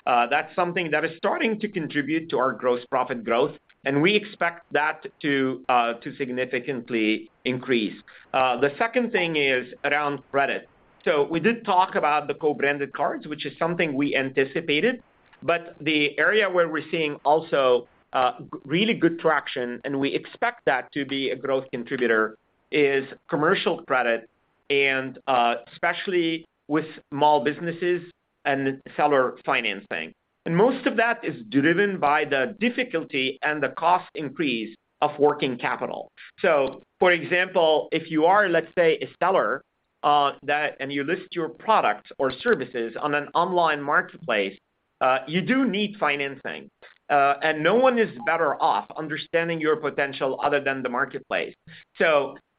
That's something that is starting to contribute to our gross profit growth, and we expect that to significantly increase. The second thing is around credit. We did talk about the co-branded cards, which is something we anticipated, but the area where we're seeing also, really good traction, and we expect that to be a growth contributor, is commercial credit and especially with small businesses and seller financing. Most of that is driven by the difficulty and the cost increase of working capital. For example, if you are, let's say, a seller, that... You list your products or services on an online marketplace, you do need financing, and no one is better off understanding your potential other than the marketplace.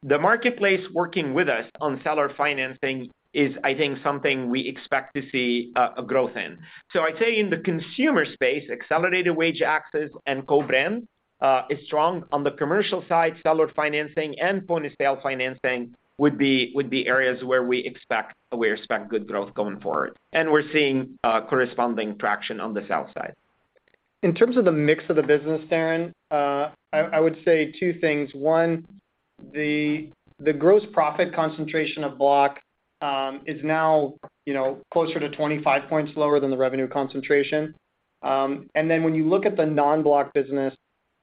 The marketplace working with us on seller financing is, I think, something we expect to see a growth in. I'd say in the consumer space, accelerated wage access and co-brand is strong. The commercial side, seller financing and point-of-sale financing would be areas where we expect good growth going forward, and we're seeing corresponding traction on the south side. In terms of the mix of the business, Darrin, I would say two things. One, the gross profit concentration of Block, is now, you know, closer to 25 points lower than the revenue concentration. When you look at the non-Block business,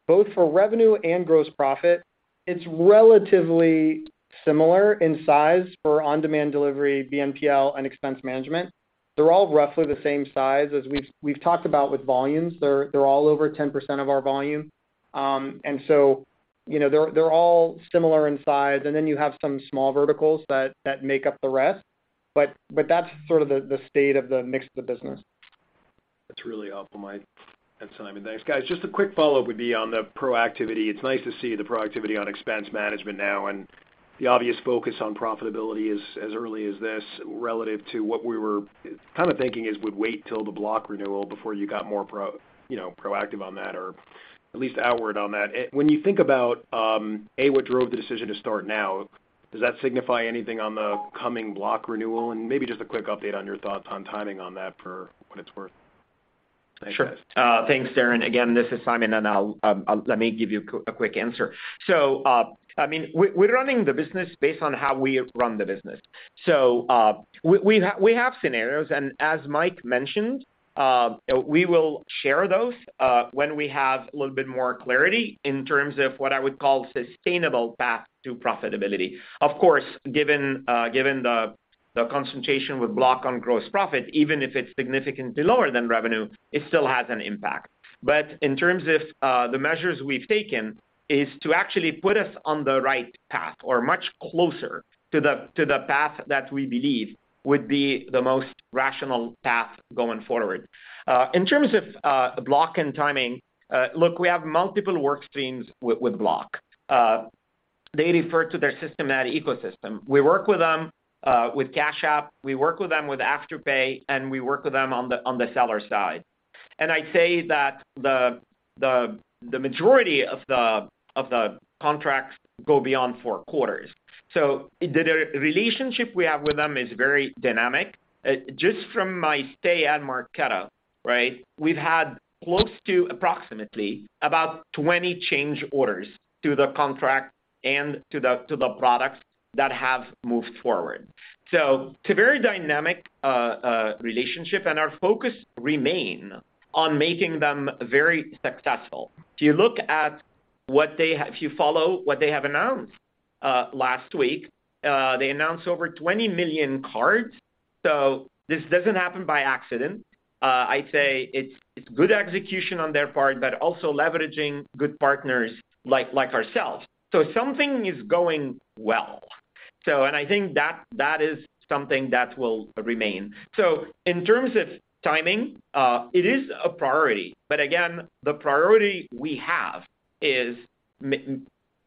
both for revenue and gross profit, it's relatively similar in size for On-Demand delivery, BNPL and Expense Management. They're all roughly the same size. As we've talked about with volumes, they're all over 10% of our volume. You know, they're all similar in size, and then you have some small verticals that make up the rest, but that's sort of the state of the mix of the business. That's really helpful, Mike and Simon. Thanks, guys. Just a quick follow-up would be on the proactivity. It's nice to see the proactivity on Expense Management now, and the obvious focus on profitability as early as this relative to what we were kinda thinking is we'd wait till the Block renewal before you got more you know, proactive on that or at least outward on that. When you think about, what drove the decision to start now, does that signify anything on the coming Block renewal? Maybe just a quick update on your thoughts on timing on that for what it's worth? Sure. Thanks, Darrin. Again, this is Simon, and let me give you a quick answer. I mean, we're running the business based on how we run the business. We have scenarios, and as Mike mentioned, we will share those when we have a little bit more clarity in terms of what I would call sustainable path to profitability. Of course, given the concentration with Block on gross profit, even if it's significantly lower than revenue, it still has an impact. In terms of the measures we've taken is to actually put us on the right path or much closer to the path that we believe would be the most rational path going forward. In terms of Block and timing, look, we have multiple work streams with Block. They refer to their systematic ecosystem. We work with them with Cash App, we work with them with Afterpay, and we work with them on the seller side. I'd say that the majority of the contracts go beyond four quarters. The re-relationship we have with them is very dynamic. Just from my stay at Marqeta, right? We've had close to approximately about 20 change orders to the contract and to the products that have moved forward. It's a very dynamic relationship, and our focus remain on making them very successful. If you follow what they have announced last week, they announced over 20 million cards. This doesn't happen by accident. I'd say it's good execution on their part, but also leveraging good partners like ourselves. Something is going well. I think that is something that will remain. In terms of timing, it is a priority. Again, the priority we have is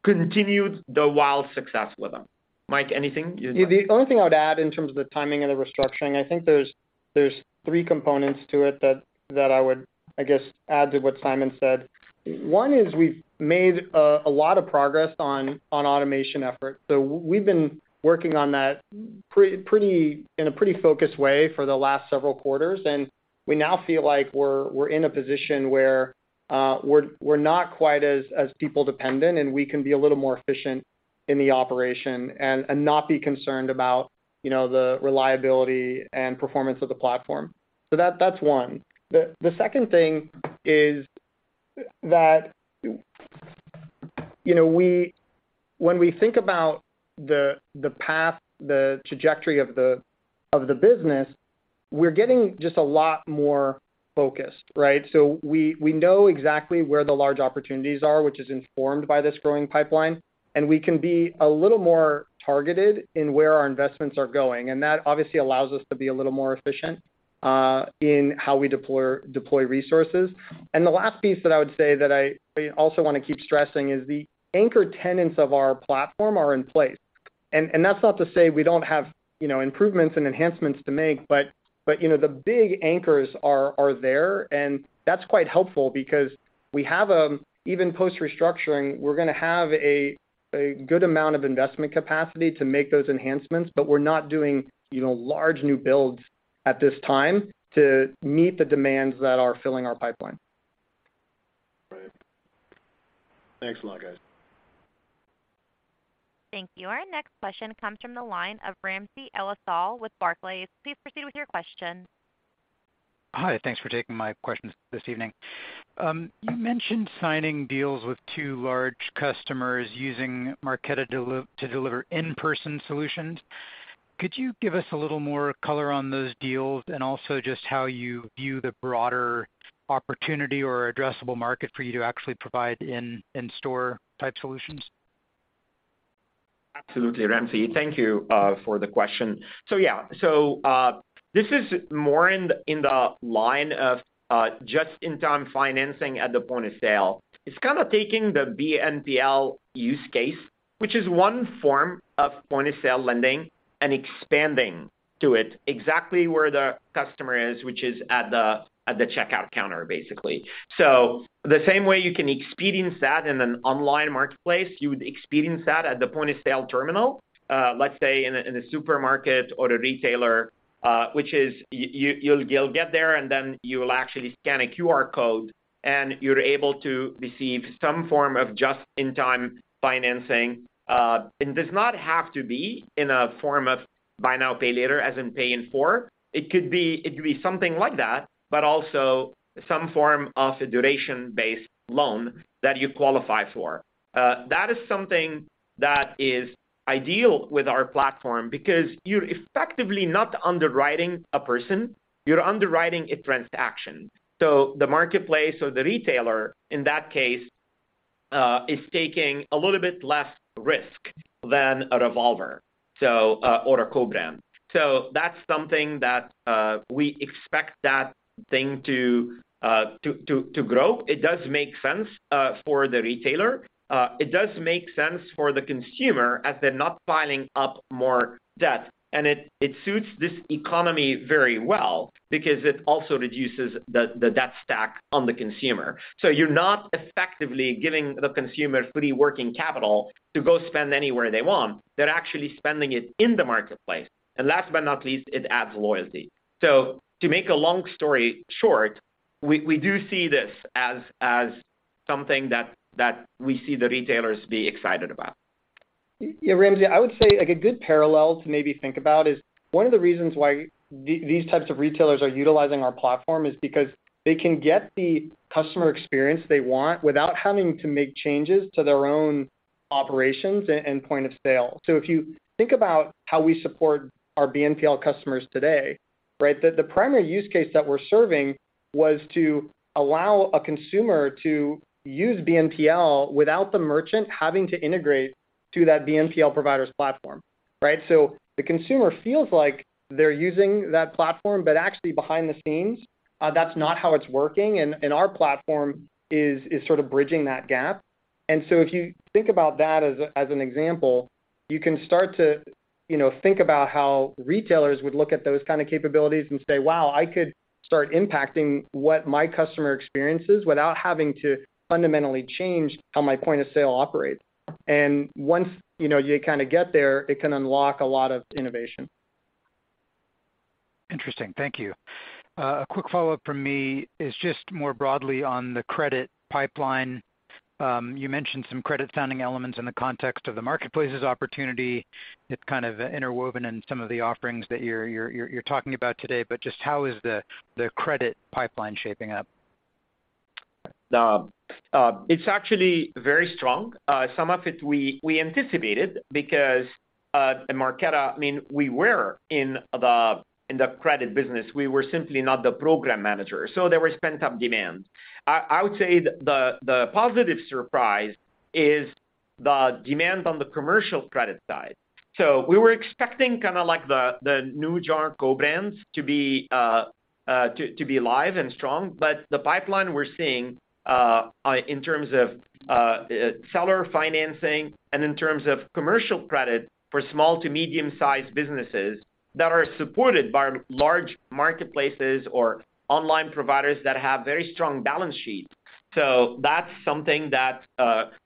continued the wild success with them. Mike, anything you'd like- The only thing I would add in terms of the timing and the restructuring, I think there's three components to it that I would, I guess, add to what Simon said. One is we've made a lot of progress on automation efforts. We've been working on that pretty focused way for the last several quarters, and we now feel like we're in a position where we're not quite as people dependent, and we can be a little more efficient in the operation and not be concerned about, you know, the reliability and performance of the platform. That's one. The second thing is that, you know, we when we think about the path, the trajectory of the business, we're getting just a lot more focused, right? We know exactly where the large opportunities are, which is informed by this growing pipeline, and we can be a little more targeted in where our investments are going. That obviously allows us to be a little more efficient in how we deploy resources. The last piece that I would say that I also wanna keep stressing is the anchor tenants of our platform are in place. That's not to say we don't have, you know, improvements and enhancements to make, but you know, the big anchors are there, and that's quite helpful because we have, even post-restructuring, we're gonna have a good amount of investment capacity to make those enhancements, but we're not doing, you know, large new builds at this time to meet the demands that are filling our pipeline. Right. Thanks a lot, guys. Thank you. Our next question comes from the line of Ramsey El-Assal with Barclays. Please proceed with your question. Hi. Thanks for taking my question this evening. You mentioned signing deals with two large customers using Marqeta to deliver in-person solutions. Could you give us a little more color on those deals and also just how you view the broader opportunity or addressable market for you to actually provide in-store type solutions? Absolutely, Ramsey. Thank you for the question. This is more in the line of just-in-time financing at the point of sale. It's kind of taking the BNPL use case, which is one form of point-of-sale lending, and expanding to it exactly where the customer is, which is at the checkout counter, basically. The same way you can experience that in an online marketplace, you would experience that at the point-of-sale terminal, let's say in a supermarket or a retailer, which is you'll get there, and then you will actually scan a QR code, and you're able to receive some form of just-in-time financing. Does not have to be in a form of Buy Now, Pay Later, as in Pay in 4. It could be something like that, but also some form of a duration-based loan that you qualify for. That is something that is ideal with our platform because you're effectively not underwriting a person, you're underwriting a transaction. The marketplace or the retailer in that case, is taking a little bit less risk than a revolver, or a co-brand. That's something that we expect that thing to grow. It does make sense for the retailer. It does make sense for the consumer as they're not piling up more debt. It suits this economy very well because it also reduces the debt stack on the consumer. You're not effectively giving the consumer free working capital to go spend anywhere they want. They're actually spending it in the marketplace. Last but not least, it adds loyalty. To make a long story short, we do see this as something that we see the retailers be excited about. Yeah, Ramsey, I would say, like, a good parallel to maybe think about is one of the reasons why these types of retailers are utilizing our platform is because they can get the customer experience they want without having to make changes to their own operations and point of sale. If you think about how we support our BNPL customers today, right? The primary use case that we're serving was to allow a consumer to use BNPL without the merchant having to integrate to that BNPL provider's platform, right? The consumer feels like they're using that platform, but actually behind the scenes, that's not how it's working. Our platform is sort of bridging that gap. If you think about that as an example, you can start to, you know, think about how retailers would look at those kind of capabilities and say, "Wow, I could start impacting what my customer experiences without having to fundamentally change how my point of sale operates." Once, you know, you kinda get there, it can unlock a lot of innovation. Interesting. Thank you. A quick follow-up from me is just more broadly on the credit pipeline. You mentioned some credit funding elements in the context of Marqeta's opportunity. It's kind of interwoven in some of the offerings that you're talking about today, but just how is the credit pipeline shaping up? It's actually very strong. Some of it we anticipated because, at Marqeta, I mean, we were in the credit business. We were simply not the program manager, so there was pent-up demand. I would say the positive surprise is the demand on the commercial credit side. We were expecting kinda like the new genre co-brands to be live and strong, but the pipeline we're seeing in terms of seller financing and in terms of commercial credit for small to medium-sized businesses that are supported by large marketplaces or online providers that have very strong balance sheet. That's something that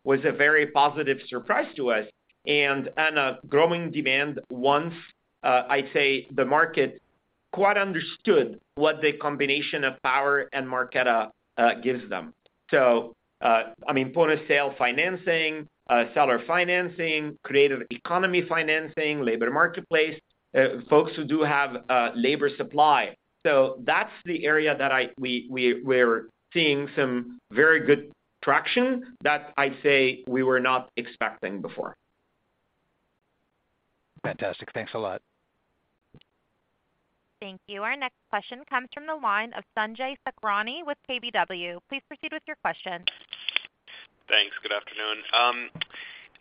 was a very positive surprise to us and a growing demand once I'd say the market quite understood what the combination of Power and Marqeta gives them. I mean, point-of-sale financing, seller financing, creative economy financing, labor marketplace, folks who do have, labor supply. That's the area that we're seeing some very good traction that I'd say we were not expecting before. Fantastic. Thanks a lot. Thank you. Our next question comes from the line of Sanjay Sakhrani with KBW. Please proceed with your question. Thanks. Good afternoon.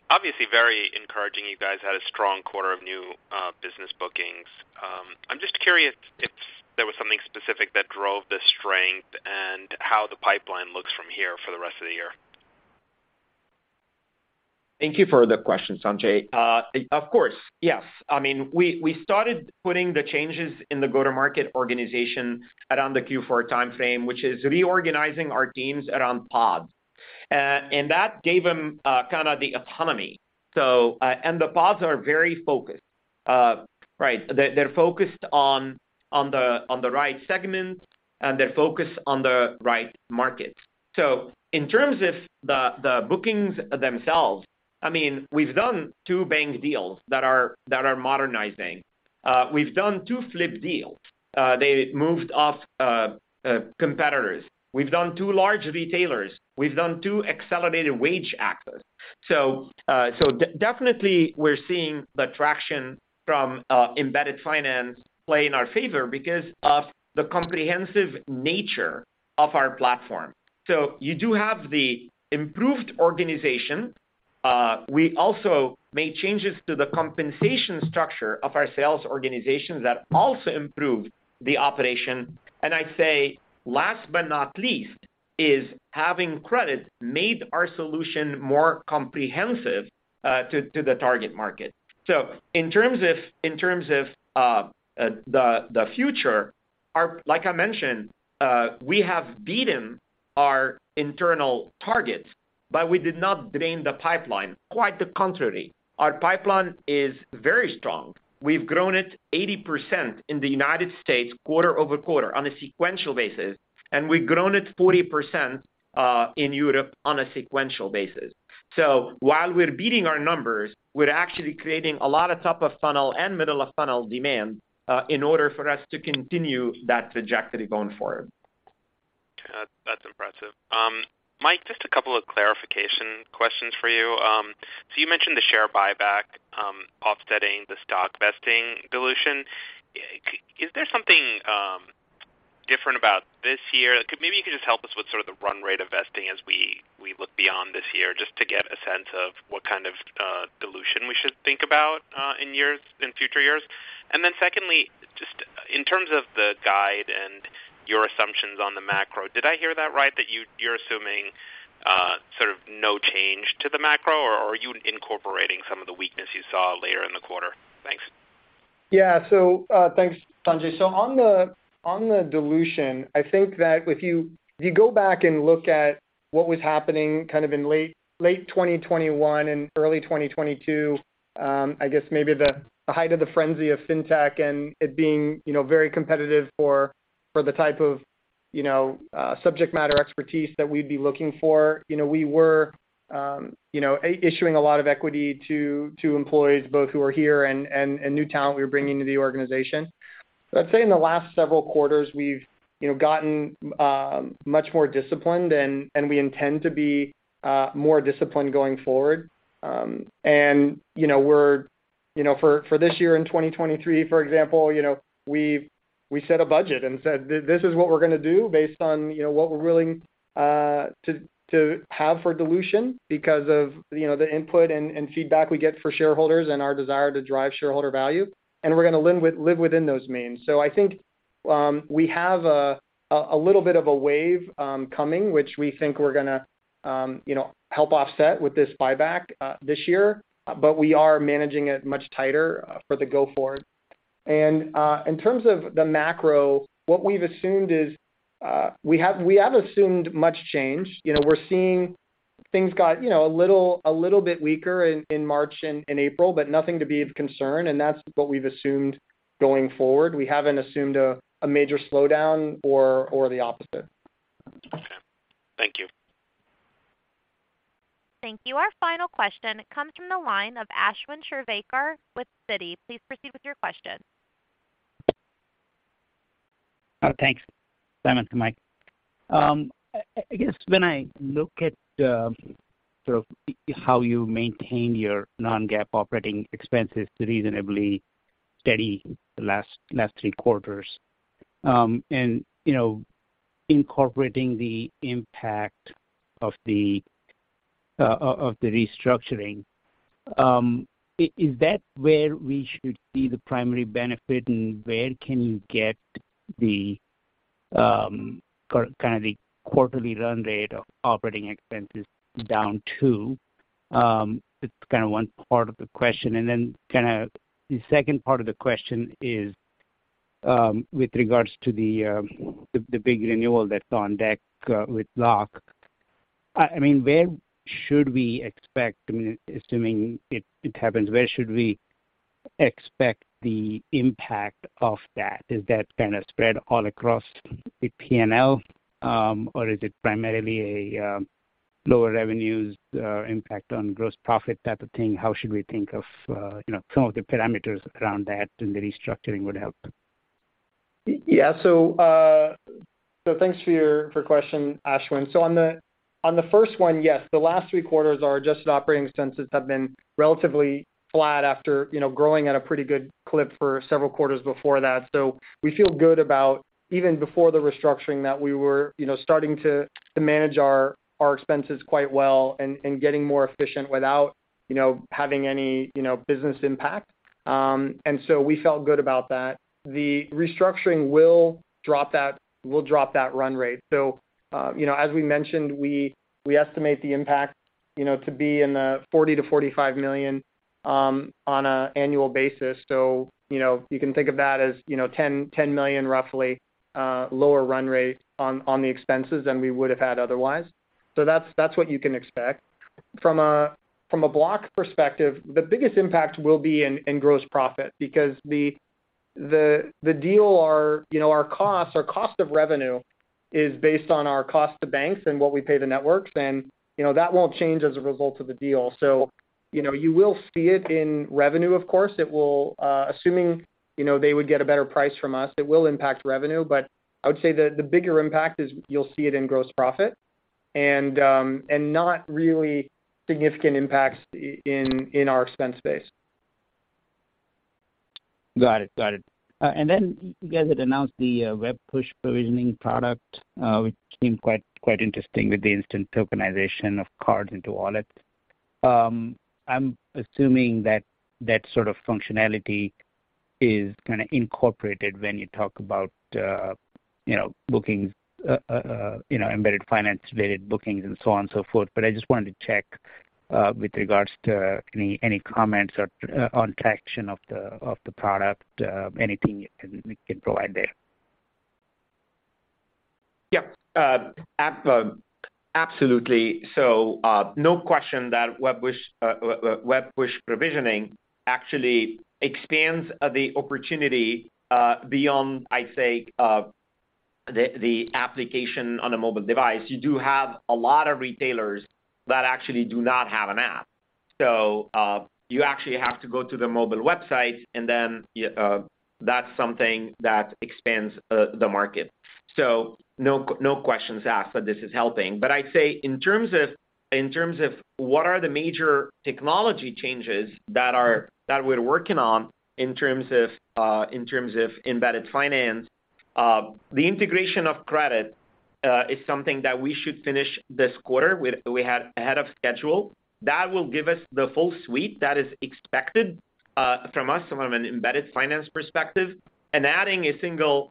Obviously very encouraging you guys had a strong quarter of new business bookings. I'm just curious if there was something specific that drove the strength and how the pipeline looks from here for the rest of the year. Thank you for the question, Sanjay. Of course, yes. I mean, we started putting the changes in the go-to-market organization around the Q4 timeframe, which is reorganizing our teams around pods. That gave them, kinda the autonomy. The pods are very focused. Right. They're focused on the right segments, and they're focused on the right markets. In terms of the bookings themselves, I mean, we've done two bank deals that are modernizing. We've done two flip deals. They moved off competitors. We've done two large retailers. We've done two accelerated wage access. Definitely we're seeing the traction from Embedded Finance play in our favor because of the comprehensive nature of our platform. You do have the improved organization. We also made changes to the compensation structure of our sales organization that also improved the operation. I'd say last but not least is having credit made our solution more comprehensive to the target market. In terms of, in terms of, the future, like I mentioned, we have beaten our internal targets, but we did not drain the pipeline. Quite the contrary, our pipeline is very strong. We've grown it 80% in the United States quarter-over-quarter on a sequential basis, and we've grown it 40% in Europe on a sequential basis. While we're beating our numbers, we're actually creating a lot of top of funnel and middle of funnel demand in order for us to continue that trajectory going forward. That's impressive. Mike, just a couple of clarification questions for you. You mentioned the share buyback, offsetting the stock vesting dilution. Is there something different about this year? Maybe you could just help us with sort of the run rate of vesting as we look beyond this year just to get a sense of what kind of dilution we should think about in future years. Secondly, just in terms of the guide and your assumptions on the macro, did I hear that right, that you're assuming sort of no change to the macro, or are you incorporating some of the weakness you saw later in the quarter? Thanks. Yeah. Thanks, Sanjay. On the dilution, I think that if you go back can look at what was happening kind of in late 2021 and early 2022, I guess maybe the height of the frenzy of Fintech and it being, you know, very competitive for the type of, you know, subject matter expertise that we'd be looking for. You know, we were, you know, issuing a lot of equity to employees both who are here and new talent we were bringing to the organization. I'd say in the last several quarters, we've, you know, gotten much more disciplined and we intend to be more disciplined going forward. You know, we're, you know, for this year in 2023, for example, you know, we set a budget and said, "This is what we're gonna do based on, you know, what we're willing to have for dilution because of, you know, the input and feedback we get for shareholders and our desire to drive shareholder value. We're gonna live within those means." I think we have a little bit of a wave coming, which we think we're gonna, you know, help offset with this buyback this year, but we are managing it much tighter for the go forward. In terms of the macro, what we've assumed is, we have assumed much change. You know, we're seeing things got, you know, a little bit weaker in March and in April, but nothing to be of concern, and that's what we've assumed going forward. We haven't assumed a major slowdown or the opposite. Okay. Thank you. Thank you. Our final question comes from the line of Ashwin Shirvaikar with Citi. Please proceed with your question. Oh, thanks, Simon and Mike. I guess when I look at sort of how you maintain your non-GAAP operating expenses reasonably steady the last three quarters. You know, incorporating the impact of the restructuring, is that where we should see the primary benefit, and where can you get the kind of the quarterly run rate of operating expenses down to? It's kinda one part of the question. Then kinda the second part of the question is with regards to the big renewal that's on deck with Block. I mean, where should we expect, I mean, assuming it happens, where should we expect the impact of that? Is that kinda spread all across the P&L, or is it primarily a lower revenues impact on gross profit type of thing? How should we think of, you know, some of the parameters around that and the restructuring would help? Yeah. Thanks for your question, Ashwin. On the first one, yes, the last three quarters, our adjusted operating expenses have been relatively flat after, you know, growing at a pretty good clip for several quarters before that. We feel good about even before the restructuring that we were, you know, starting to manage our expenses quite well and getting more efficient without, you know, having any, you know, business impact. We felt good about that. The restructuring will drop that run rate. As we mentioned, we estimate the impact, you know, to be in the $40 million-$45 million on an annual basis. You know, you can think of that as, you know, $10 million roughly lower run rate on the expenses than we would have had otherwise. That's what you can expect. From a Block perspective, the biggest impact will be in gross profit because the deal or, you know, our costs or cost of revenue is based on our cost to banks and what we pay the networks. You know, that won't change as a result of the deal. You know, you will see it in revenue, of course. It will, assuming, you know, they would get a better price from us, it will impact revenue. I would say the bigger impact is you'll see it in gross profit and not really significant impacts in our expense base. Got it. Got it. Then you guys had announced the Web Push Provisioning product, which seemed quite interesting with the instant tokenization of cards into wallets. I'm assuming that that sort of functionality is kinda incorporated when you talk about, you know, bookings, you know, Embedded Finance-related bookings and so on and so forth. I just wanted to check with regards to any comments or on traction of the product, anything you can provide there. Yep. absolutely. No question that web push provisioning actually expands the opportunity beyond, I'd say, the application on a mobile device. You do have a lot of retailers that actually do not have an app. You actually have to go to the mobile website, and then that's something that expands the market. No questions asked that this is helping. I'd say in terms of what are the major technology changes that we're working on in terms of Embedded Finance, the integration of credit is something that we should finish this quarter. We had ahead of schedule. That will give us the full suite that is expected from us from an Embedded Finance perspective. Adding a single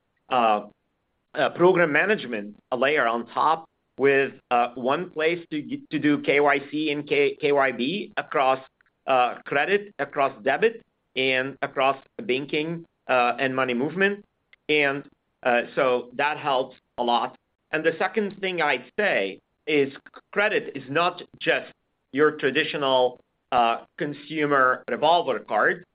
program management layer on top with one place to do KYC and KYB across credit, across debit, and across banking and money movement. So that helps a lot. The second thing I'd say is credit is not just your traditional consumer revolver card.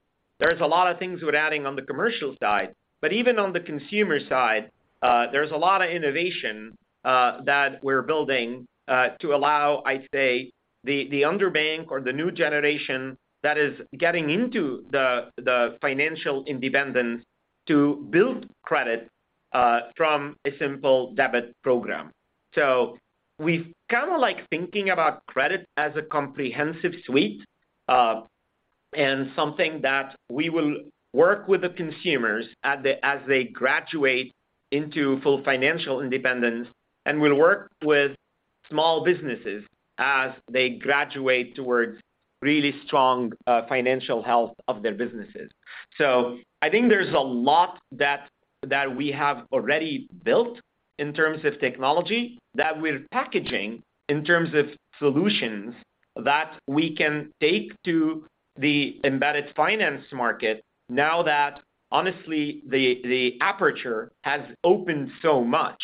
There's a lot of things we're adding on the commercial side. Even on the consumer side, there's a lot of innovation that we're building to allow, I'd say, the underbanked or the new generation that is getting into the financial independence to build credit from a simple debit program. We've kinda like thinking about credit as a comprehensive suite, and something that we will work with the consumers as they graduate into full financial independence and will work with small businesses as they graduate towards really strong financial health of their businesses. I think there's a lot that we have already built in terms of technology that we're packaging in terms of solutions that we can take to the Embedded Finance market now that honestly the aperture has opened so much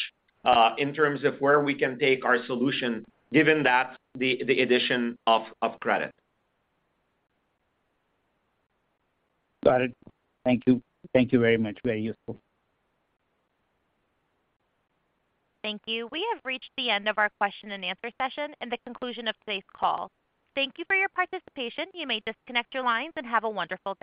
in terms of where we can take our solution given that the addition of credit. Got it. Thank you. Thank you very much. Very useful. Thank you. We have reached the end of our question and answer session and the conclusion of today's call. Thank you for your participation. You may disconnect your lines and have a wonderful day.